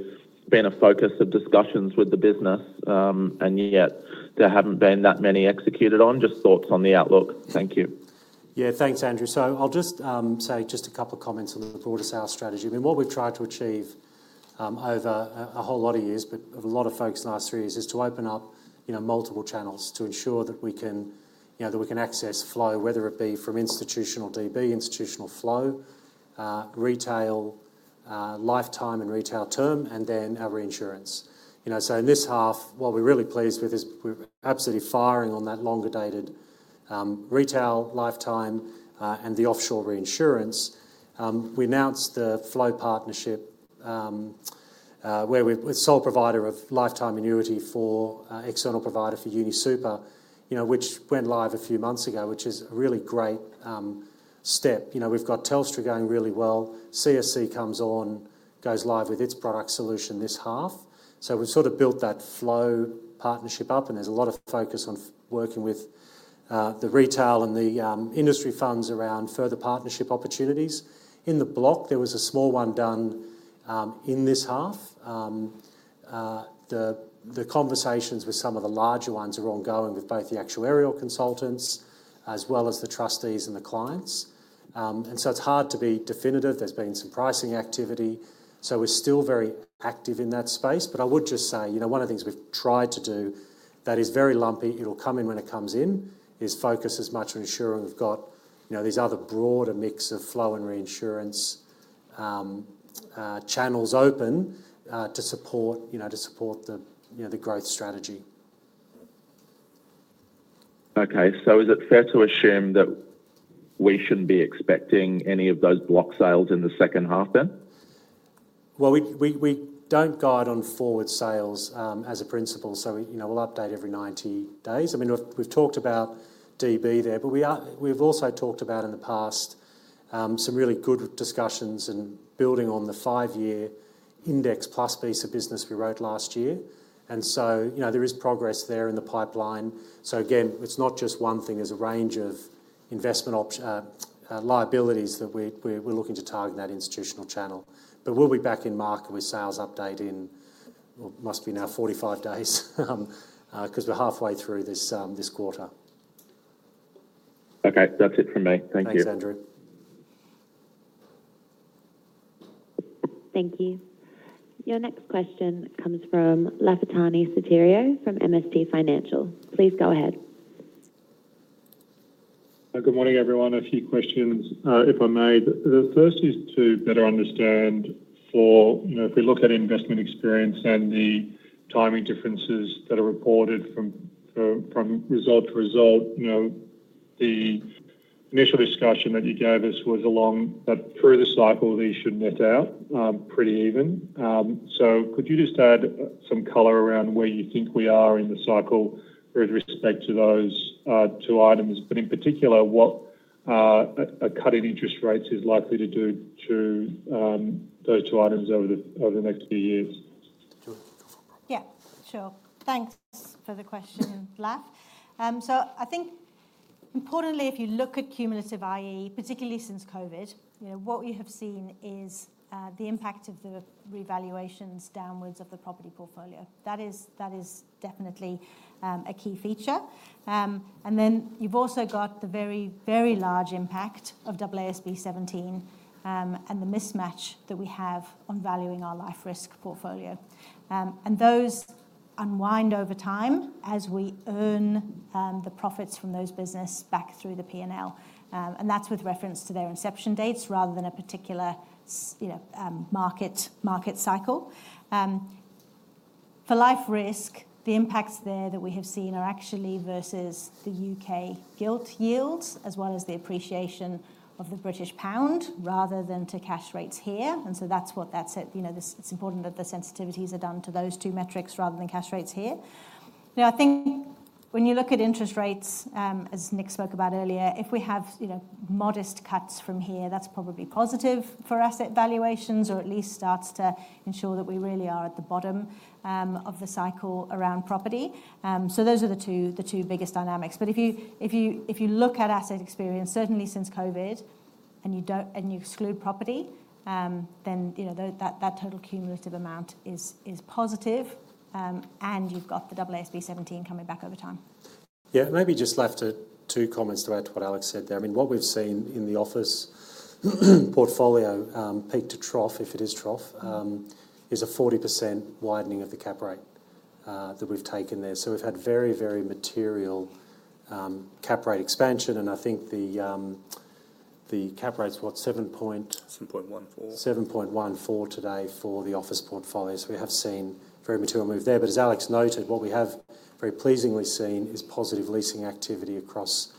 Speaker 11: been a focus of discussions with the business, and yet there haven't been that many executed on. Just thoughts on the outlook. Thank you. Yeah, thanks, Andrew. So I'll just say just a couple of comments on the broader sales strategy. I mean, what we've tried to achieve over a whole lot of years, but a lot of focus in the last three years is to open up multiple channels to ensure that we can access flow, whether it be from institutional DB, institutional flow, retail, lifetime and retail term, and then our reinsurance. So in this half, what we're really pleased with is we're absolutely firing on that longer dated retail lifetime and the offshore reinsurance. We announced the flow partnership where we're the sole provider of lifetime annuity for external provider for UniSuper, which went live a few months ago, which is a really great step. We've got Telstra going really well. CSC comes on, goes live with its product solution this half. We've sort of built that flow partnership up, and there's a lot of focus on working with the retail and the industry funds around further partnership opportunities. In the bulk, there was a small one done in this half. The conversations with some of the larger ones are ongoing with both the actuarial consultants as well as the trustees and the clients. It's hard to be definitive. There's been some pricing activity. We're still very active in that space. One of the things we've tried to do that is very lumpy, it'll come in when it comes in, is focus as much on ensuring we've got these other broader mix of flow and reinsurance channels open to support the growth strategy. Okay. So is it fair to assume that we shouldn't be expecting any of those block sales in the second half then? Well, we don't guide on forward sales as a principle. So we'll update every 90 days. I mean, we've talked about DB there, but we've also talked about in the past some really good discussions and building on the five-year index plus piece of business we wrote last year. And so there is progress there in the pipeline. So again, it's not just one thing. There's a range of investment liabilities that we're looking to target in that institutional channel. But we'll be back in market with sales update in, it must be now 45 days because we're halfway through this quarter. Okay. That's it from me. Thank you.
Speaker 2: Thanks, Andrew.
Speaker 9: Thank you. Your next question comes from Lafitani Sotiriou from MST Financial. Please go ahead.
Speaker 12: Good morning, everyone. A few questions, if I may. The first is to better understand for if we look at investment experience and the timing differences that are reported from result to result, the initial discussion that you gave us was along that through the cycle, these should net out pretty even. So could you just add some color around where you think we are in the cycle with respect to those two items? But in particular, what a cut in interest rates is likely to do to those two items over the next few years?
Speaker 3: Yeah, sure. Thanks for the question, Laf. So I think importantly, if you look at cumulative IE, particularly since COVID, what we have seen is the impact of the revaluations downwards of the property portfolio. That is definitely a key feature. And then you've also got the very, very large impact of AASB 17 and the mismatch that we have on valuing our life risk portfolio. And those unwind over time as we earn the profits from those businesses back through the P&L. And that's with reference to their inception dates rather than a particular market cycle. For life risk, the impacts there that we have seen are actually versus the UK gilt yields as well as the appreciation of the British pound rather than to cash rates here. And so that's what that's at. It's important that the sensitivities are done to those two metrics rather than cash rates here. I think when you look at interest rates, as Nick spoke about earlier, if we have modest cuts from here, that's probably positive for asset valuations or at least starts to ensure that we really are at the bottom of the cycle around property. So those are the two biggest dynamics. But if you look at asset experience, certainly since COVID, and you exclude property, then that total cumulative amount is positive, and you've got the AASB 17 coming back over time.
Speaker 1: Yeah, maybe just left two comments to add to what Alex said there. I mean, what we've seen in the office portfolio peak to trough, if it is trough, is a 40% widening of the cap rate that we've taken there. So we've had very, very material cap rate expansion. And I think the cap rate's what, 7.7.14? 7.14 today for the office portfolio. We have seen very material move there. But as Alex noted, what we have very pleasingly seen is positive leasing activity across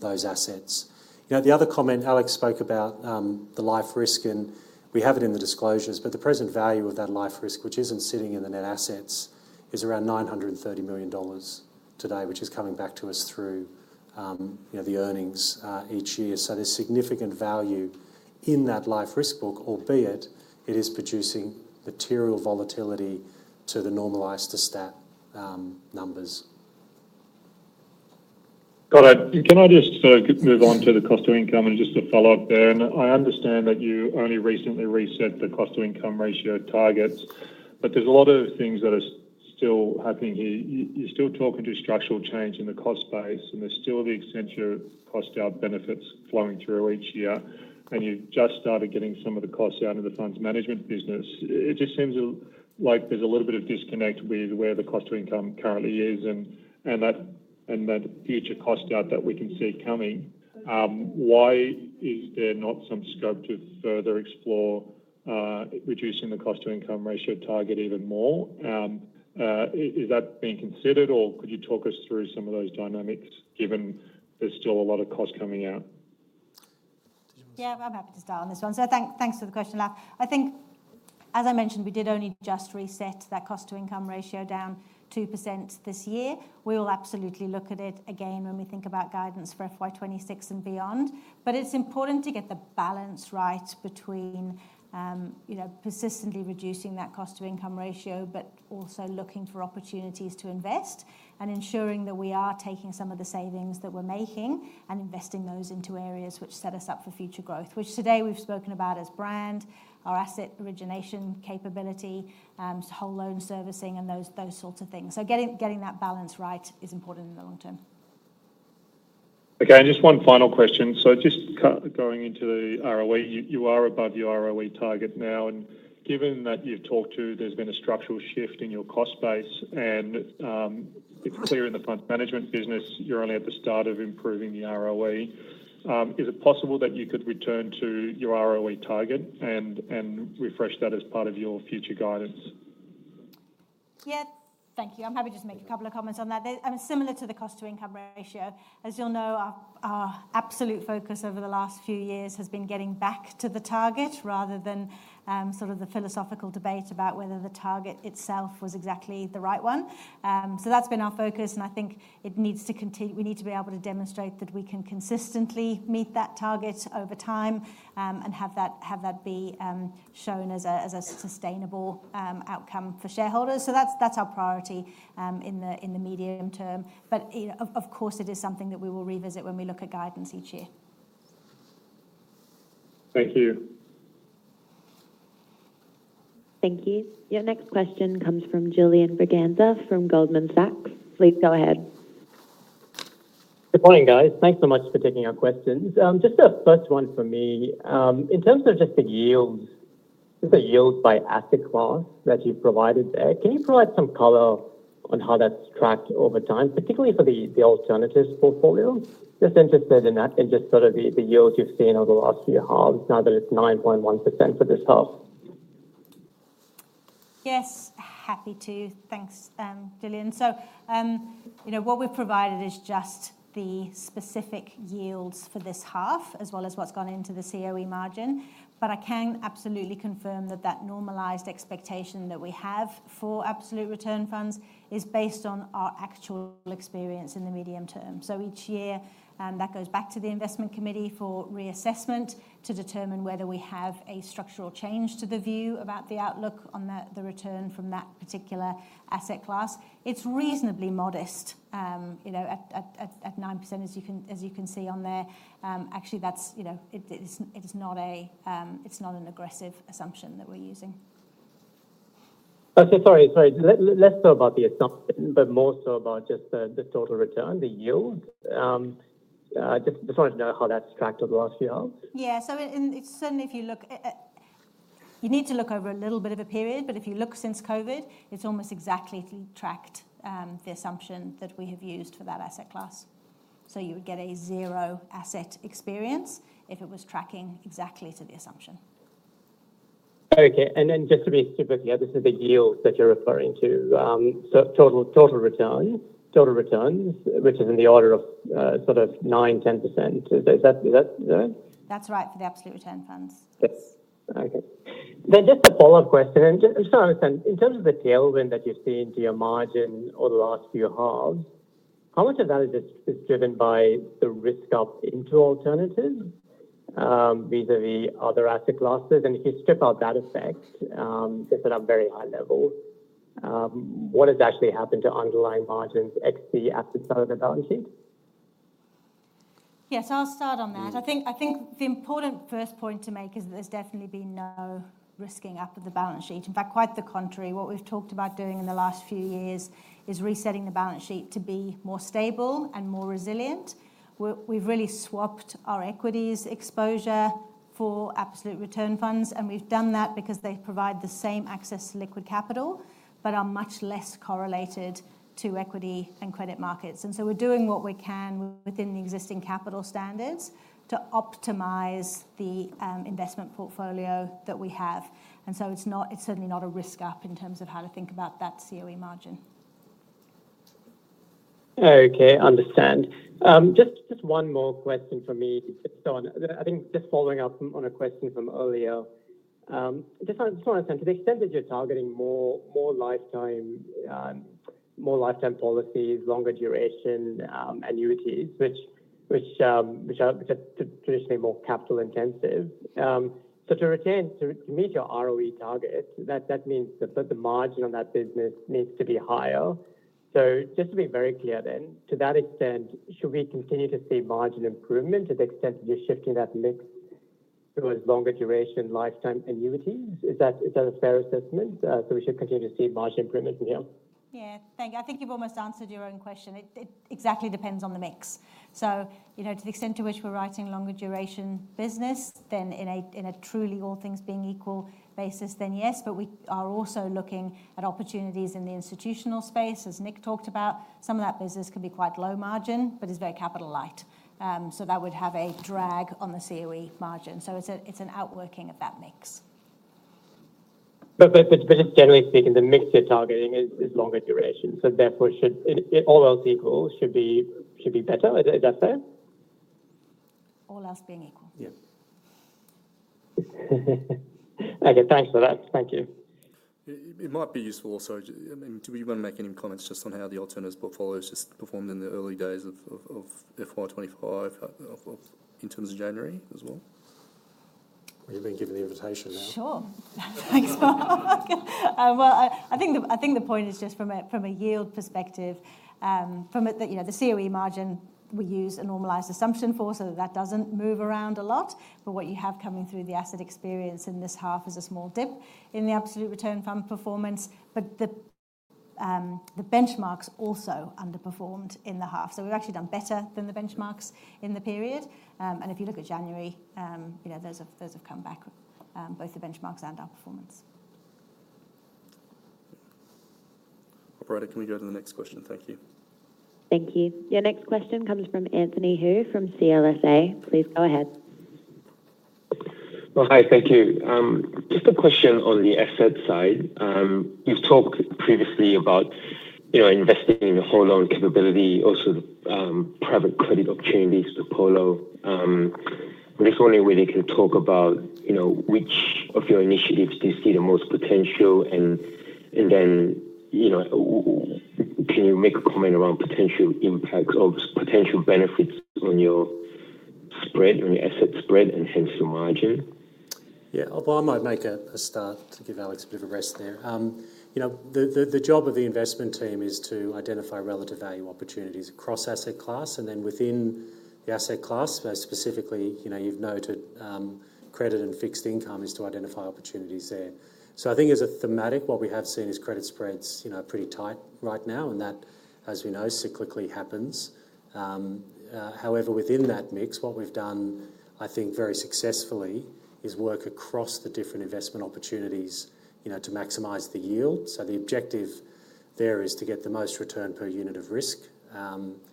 Speaker 1: those assets. The other comment, Alex spoke about the life risk, and we have it in the disclosures, but the present value of that life risk, which isn't sitting in the net assets, is around 930 million dollars today, which is coming back to us through the earnings each year. So there's significant value in that life risk book, albeit it is producing material volatility to the normalized to stat numbers.
Speaker 12: Got it. Can I just move on to the cost of income and just a follow-up there? And I understand that you only recently reset the cost of income ratio targets, but there's a lot of things that are still happening here. You're still talking to structural change in the cost space, and there's still the extent of your cost out benefits flowing through each year, and you've just started getting some of the costs out of the funds management business. It just seems like there's a little bit of disconnect with where the cost of income currently is and that future cost out that we can see coming. Why is there not some scope to further explore reducing the cost of income ratio target even more? Is that being considered, or could you talk us through some of those dynamics given there's still a lot of cost coming out?
Speaker 3: Yeah, I'm happy to start on this one. So thanks for the question, Laf. I think, as I mentioned, we did only just reset that cost of income ratio down 2% this year. We will absolutely look at it again when we think about guidance for FY26 and beyond. But it's important to get the balance right between persistently reducing that cost of income ratio, but also looking for opportunities to invest and ensuring that we are taking some of the savings that we're making and investing those into areas which set us up for future growth, which today we've spoken about as brand, our asset origination capability, whole loan servicing, and those sorts of things. So getting that balance right is important in the long term.
Speaker 12: Okay. And just one final question. So just going into the ROE, you are above your ROE target now. And given that you've talked to, there's been a structural shift in your cost base, and it's clear in the funds management business you're only at the start of improving the ROE. Is it possible that you could return to your ROE target and refresh that as part of your future guidance?
Speaker 3: Yes. Thank you. I'm happy to just make a couple of comments on that. It's similar to the cost/income ratio. As you'll know, our absolute focus over the last few years has been getting back to the target rather than sort of the philosophical debate about whether the target itself was exactly the right one. So that's been our focus, and I think it needs to continue. We need to be able to demonstrate that we can consistently meet that target over time and have that be shown as a sustainable outcome for shareholders. So that's our priority in the medium term. But of course, it is something that we will revisit when we look at guidance each year.
Speaker 12: Thank you.
Speaker 3: Thank you.
Speaker 9: Your next question comes from Julian Braganza from Goldman Sachs. Please go ahead.
Speaker 13: Good morning, guys. Thanks so much for taking our questions. Just a first one for me. In terms of just the yields, just the yields by asset class that you've provided there, can you provide some color on how that's tracked over time, particularly for the alternatives portfolio? Just interested in that and just sort of the yields you've seen over the last few halves, now that it's 9.1% for this half.
Speaker 3: Yes, happy to. Thanks, Julian. So what we've provided is just the specific yields for this half as well as what's gone into the COE margin. But I can absolutely confirm that that normalized expectation that we have for absolute return funds is based on our actual experience in the medium term. So each year, that goes back to the investment committee for reassessment to determine whether we have a structural change to the view about the outlook on the return from that particular asset class. It's reasonably modest at 9%, as you can see on there. Actually, it's not an aggressive assumption that we're using. Sorry, sorry. Less so about the assumption, but more so about just the total return, the yield. Just wanted to know how that's tracked over the last few hours. Yeah. So certainly, if you look, you need to look over a little bit of a period, but if you look since COVID, it's almost exactly tracked the assumption that we have used for that asset class. So you would get a zero asset experience if it was tracking exactly to the assumption.
Speaker 13: Okay. And then just to be super clear, this is the yield that you're referring to, total returns, which is in the order of sort of 9%-10%. Is that right?
Speaker 3: That's right for the absolute return funds. Yes.
Speaker 13: Okay. Then just a follow-up question. I just want to understand, in terms of the tailwind that you've seen to your margin over the last few halves, how much of that is driven by the risk up into alternatives vis-à-vis other asset classes? And if you strip out that effect, just at a very high level, what has actually happened to underlying margins, ex the asset side of the balance sheet?
Speaker 3: Yes, I'll start on that. I think the important first point to make is that there's definitely been no risking up of the balance sheet. In fact, quite the contrary. What we've talked about doing in the last few years is resetting the balance sheet to be more stable and more resilient. We've really swapped our equities exposure for absolute return funds, and we've done that because they provide the same access to liquid capital, but are much less correlated to equity and credit markets. And so we're doing what we can within the existing capital standards to optimize the investment portfolio that we have. And so it's certainly not a risk up in terms of how to think about that COE margin.
Speaker 13: Okay. Understand. Just one more question for me. I think just following up on a question from earlier, just want to understand, to the extent that you're targeting more lifetime policies, longer duration annuities, which are traditionally more capital intensive, so to meet your ROE target, that means that the margin on that business needs to be higher. So just to be very clear then, to that extent, should we continue to see margin improvement to the extent that you're shifting that mix to those longer duration lifetime annuities? Is that a fair assessment? So we should continue to see margin improvement from here?
Speaker 3: Yeah. Thank you. I think you've almost answered your own question. It exactly depends on the mix. So to the extent to which we're writing longer duration business, then in a truly all things being equal basis, then yes. But we are also looking at opportunities in the institutional space, as Nick talked about. Some of that business can be quite low margin, but is very capital light. So that would have a drag on the COE margin. So it's an outworking of that mix.
Speaker 13: But generally speaking, the mix you're targeting is longer duration. So therefore, all else equal should be better. Is that fair?
Speaker 3: All else being equal. Yeah.
Speaker 13: Okay. Thanks for that. Thank you.
Speaker 1: It might be useful also. Do we want to make any comments just on how the alternatives portfolio has just performed in the early days of FY25 in terms of January as well? You've been given the invitation now.
Speaker 3: Sure. Thanks, Mark. Well, I think the point is just from a yield perspective, from the COE margin, we use a normalized assumption force so that that doesn't move around a lot. But what you have coming through the asset experience in this half is a small dip in the absolute return fund performance. But the benchmarks also underperformed in the half. So we've actually done better than the benchmarks in the period. And if you look at January, those have come back, both the benchmarks and our performance.
Speaker 1: Operator, can we go to the next question? Thank you.
Speaker 9: Thank you. Your next question comes from Anthony Hoo from CLSA. Please go ahead.
Speaker 14: Hi. Thank you. Just a question on the asset side. You've talked previously about investing in the whole loan capability, also private credit opportunities, the Apollo. I'm just wondering whether you can talk about which of your initiatives do you see the most potential, and then can you make a comment around potential impacts or potential benefits on your spread, on your asset spread, and hence your margin?
Speaker 1: Yeah. I might make a start to give Alex a bit of a rest there. The job of the investment team is to identify relative value opportunities across asset class, and then within the asset class, specifically, you've noted credit and fixed income is to identify opportunities there. So I think as a thematic, what we have seen is credit spreads pretty tight right now, and that, as we know, cyclically happens. However, within that mix, what we've done, I think very successfully, is work across the different investment opportunities to maximize the yield. So the objective there is to get the most return per unit of risk.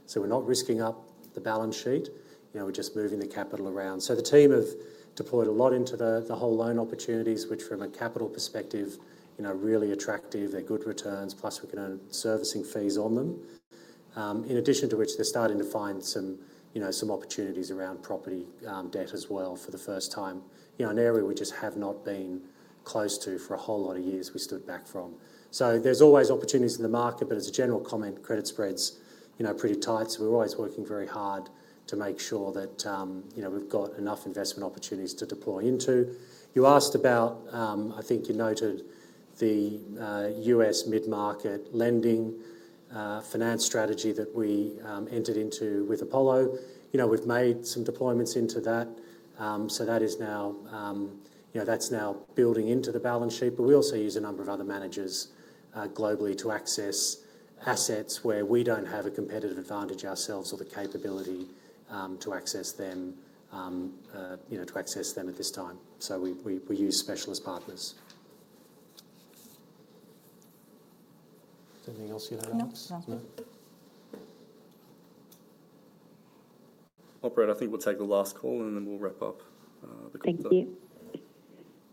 Speaker 1: So we're not risking up the balance sheet. We're just moving the capital around. So the team have deployed a lot into the whole loan opportunities, which from a capital perspective, really attractive. They're good returns, plus we can earn servicing fees on them. In addition to which, they're starting to find some opportunities around property debt as well for the first time, an area we just have not been close to for a whole lot of years we stood back from. So there's always opportunities in the market, but as a general comment, credit spreads are pretty tight. So we're always working very hard to make sure that we've got enough investment opportunities to deploy into. You asked about, I think you noted the U.S. mid-market lending finance strategy that we entered into with Apollo. We've made some deployments into that. So that is now, that's now building into the balance sheet. But we also use a number of other managers globally to access assets where we don't have a competitive advantage ourselves or the capability to access them, to access them at this time. So we use specialist partners. Is there anything else you'd like to ask? No. Operator, I think we'll take the last call, and then we'll wrap up the call.
Speaker 9: Thank you.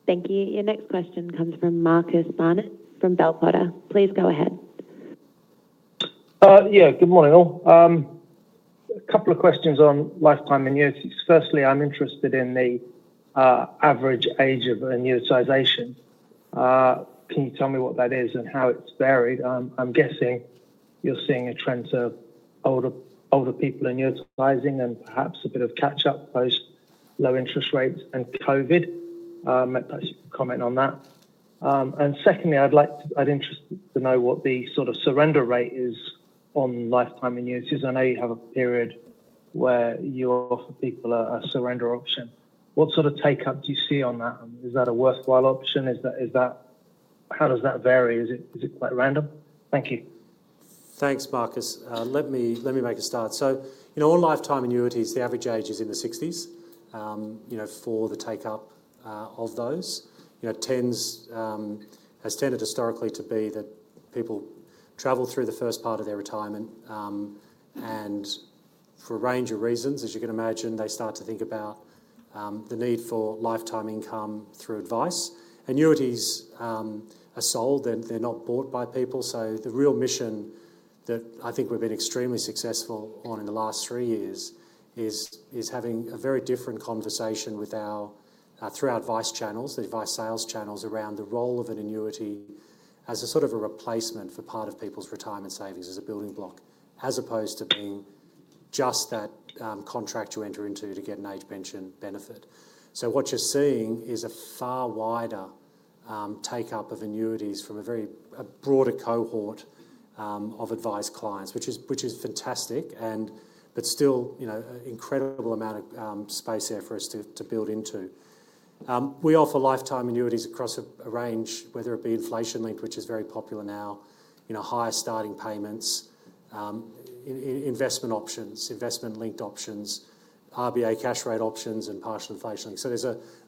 Speaker 9: Thank you. Your next question comes from Marcus Barnard from Bell Potter. Please go ahead.
Speaker 15: Yeah. Good morning, all. A couple of questions on lifetime annuities. Firstly, I'm interested in the average age of annuitization. Can you tell me what that is and how it's varied? I'm guessing you're seeing a trend to older people annuitizing and perhaps a bit of catch-up post low interest rates and COVID. I might ask you to comment on that.
Speaker 3: Secondly, I'm interested to know what the sort of surrender rate is on lifetime annuities. I know you have a period where you offer people a surrender option. What sort of take-up do you see on that? Is that a worthwhile option? How does that vary? Is it quite random? Thank you.
Speaker 1: Thanks, Marcus. Let me make a start. On lifetime annuities, the average age is in the 60s for the take-up of those. It has tended historically to be that people travel through the first part of their retirement. For a range of reasons, as you can imagine, they start to think about the need for lifetime income through advice. Annuities are sold. They're not bought by people. The real mission that I think we've been extremely successful on in the last three years is having a very different conversation through our advice channels, the advice sales channels around the role of an annuity as a sort of a replacement for part of people's retirement savings as a building block, as opposed to being just that contract you enter into to get an age pension benefit. What you're seeing is a far wider take-up of annuities from a very broader cohort of advice clients, which is fantastic, but still an incredible amount of space there for us to build into. We offer lifetime annuities across a range, whether it be inflation-linked, which is very popular now, higher starting payments, investment options, investment-linked options, RBA cash rate options, and partial inflation-linked.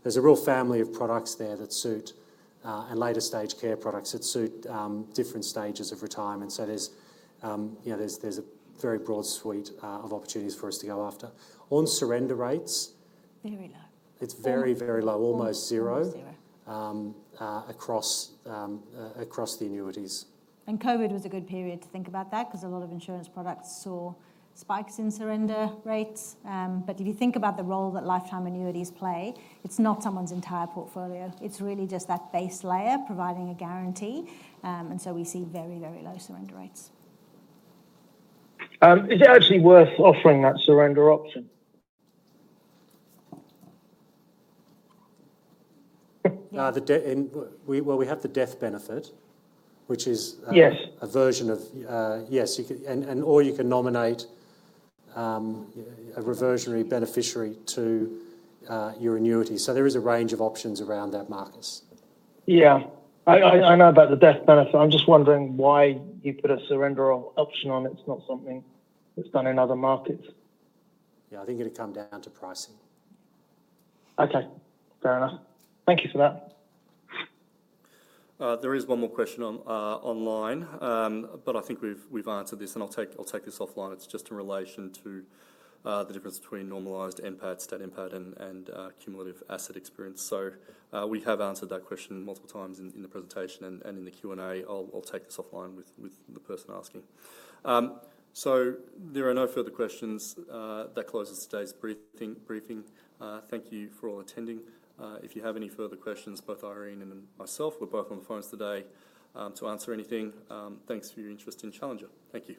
Speaker 1: There's a real family of products there that suit and later-stage care products that suit different stages of retirement. There's a very broad suite of opportunities for us to go after. On surrender rates.
Speaker 3: Very low. It's very, very low, almost zero across the annuities. COVID was a good period to think about that because a lot of insurance products saw spikes in surrender rates. If you think about the role that lifetime annuities play, it's not someone's entire portfolio. It's really just that base layer providing a guarantee. We see very, very low surrender rates.
Speaker 15: Is it actually worth offering that surrender option?
Speaker 1: We have the death benefit, which is a version of yes. And/or you can nominate a reversionary beneficiary to your annuity. There is a range of options around that, Marcus.
Speaker 15: Yeah. I know about the death benefit. I'm just wondering why you put a surrender option on. It's not something that's done in other markets.
Speaker 1: Yeah. I think it would come down to pricing.
Speaker 15: Okay. Fair enough. Thank you for that.
Speaker 1: There is one more question online, but I think we've answered this, and I'll take this offline. It's just in relation to the difference between normalized stat impact and cumulative asset experience. So we have answered that question multiple times in the presentation and in the Q&A. I'll take this offline with the person asking. So there are no further questions. That closes today's briefing. Thank you for all attending. If you have any further questions, both Irene and myself, we're both on the phones today to answer anything. Thanks for your interest in Challenger. Thank you.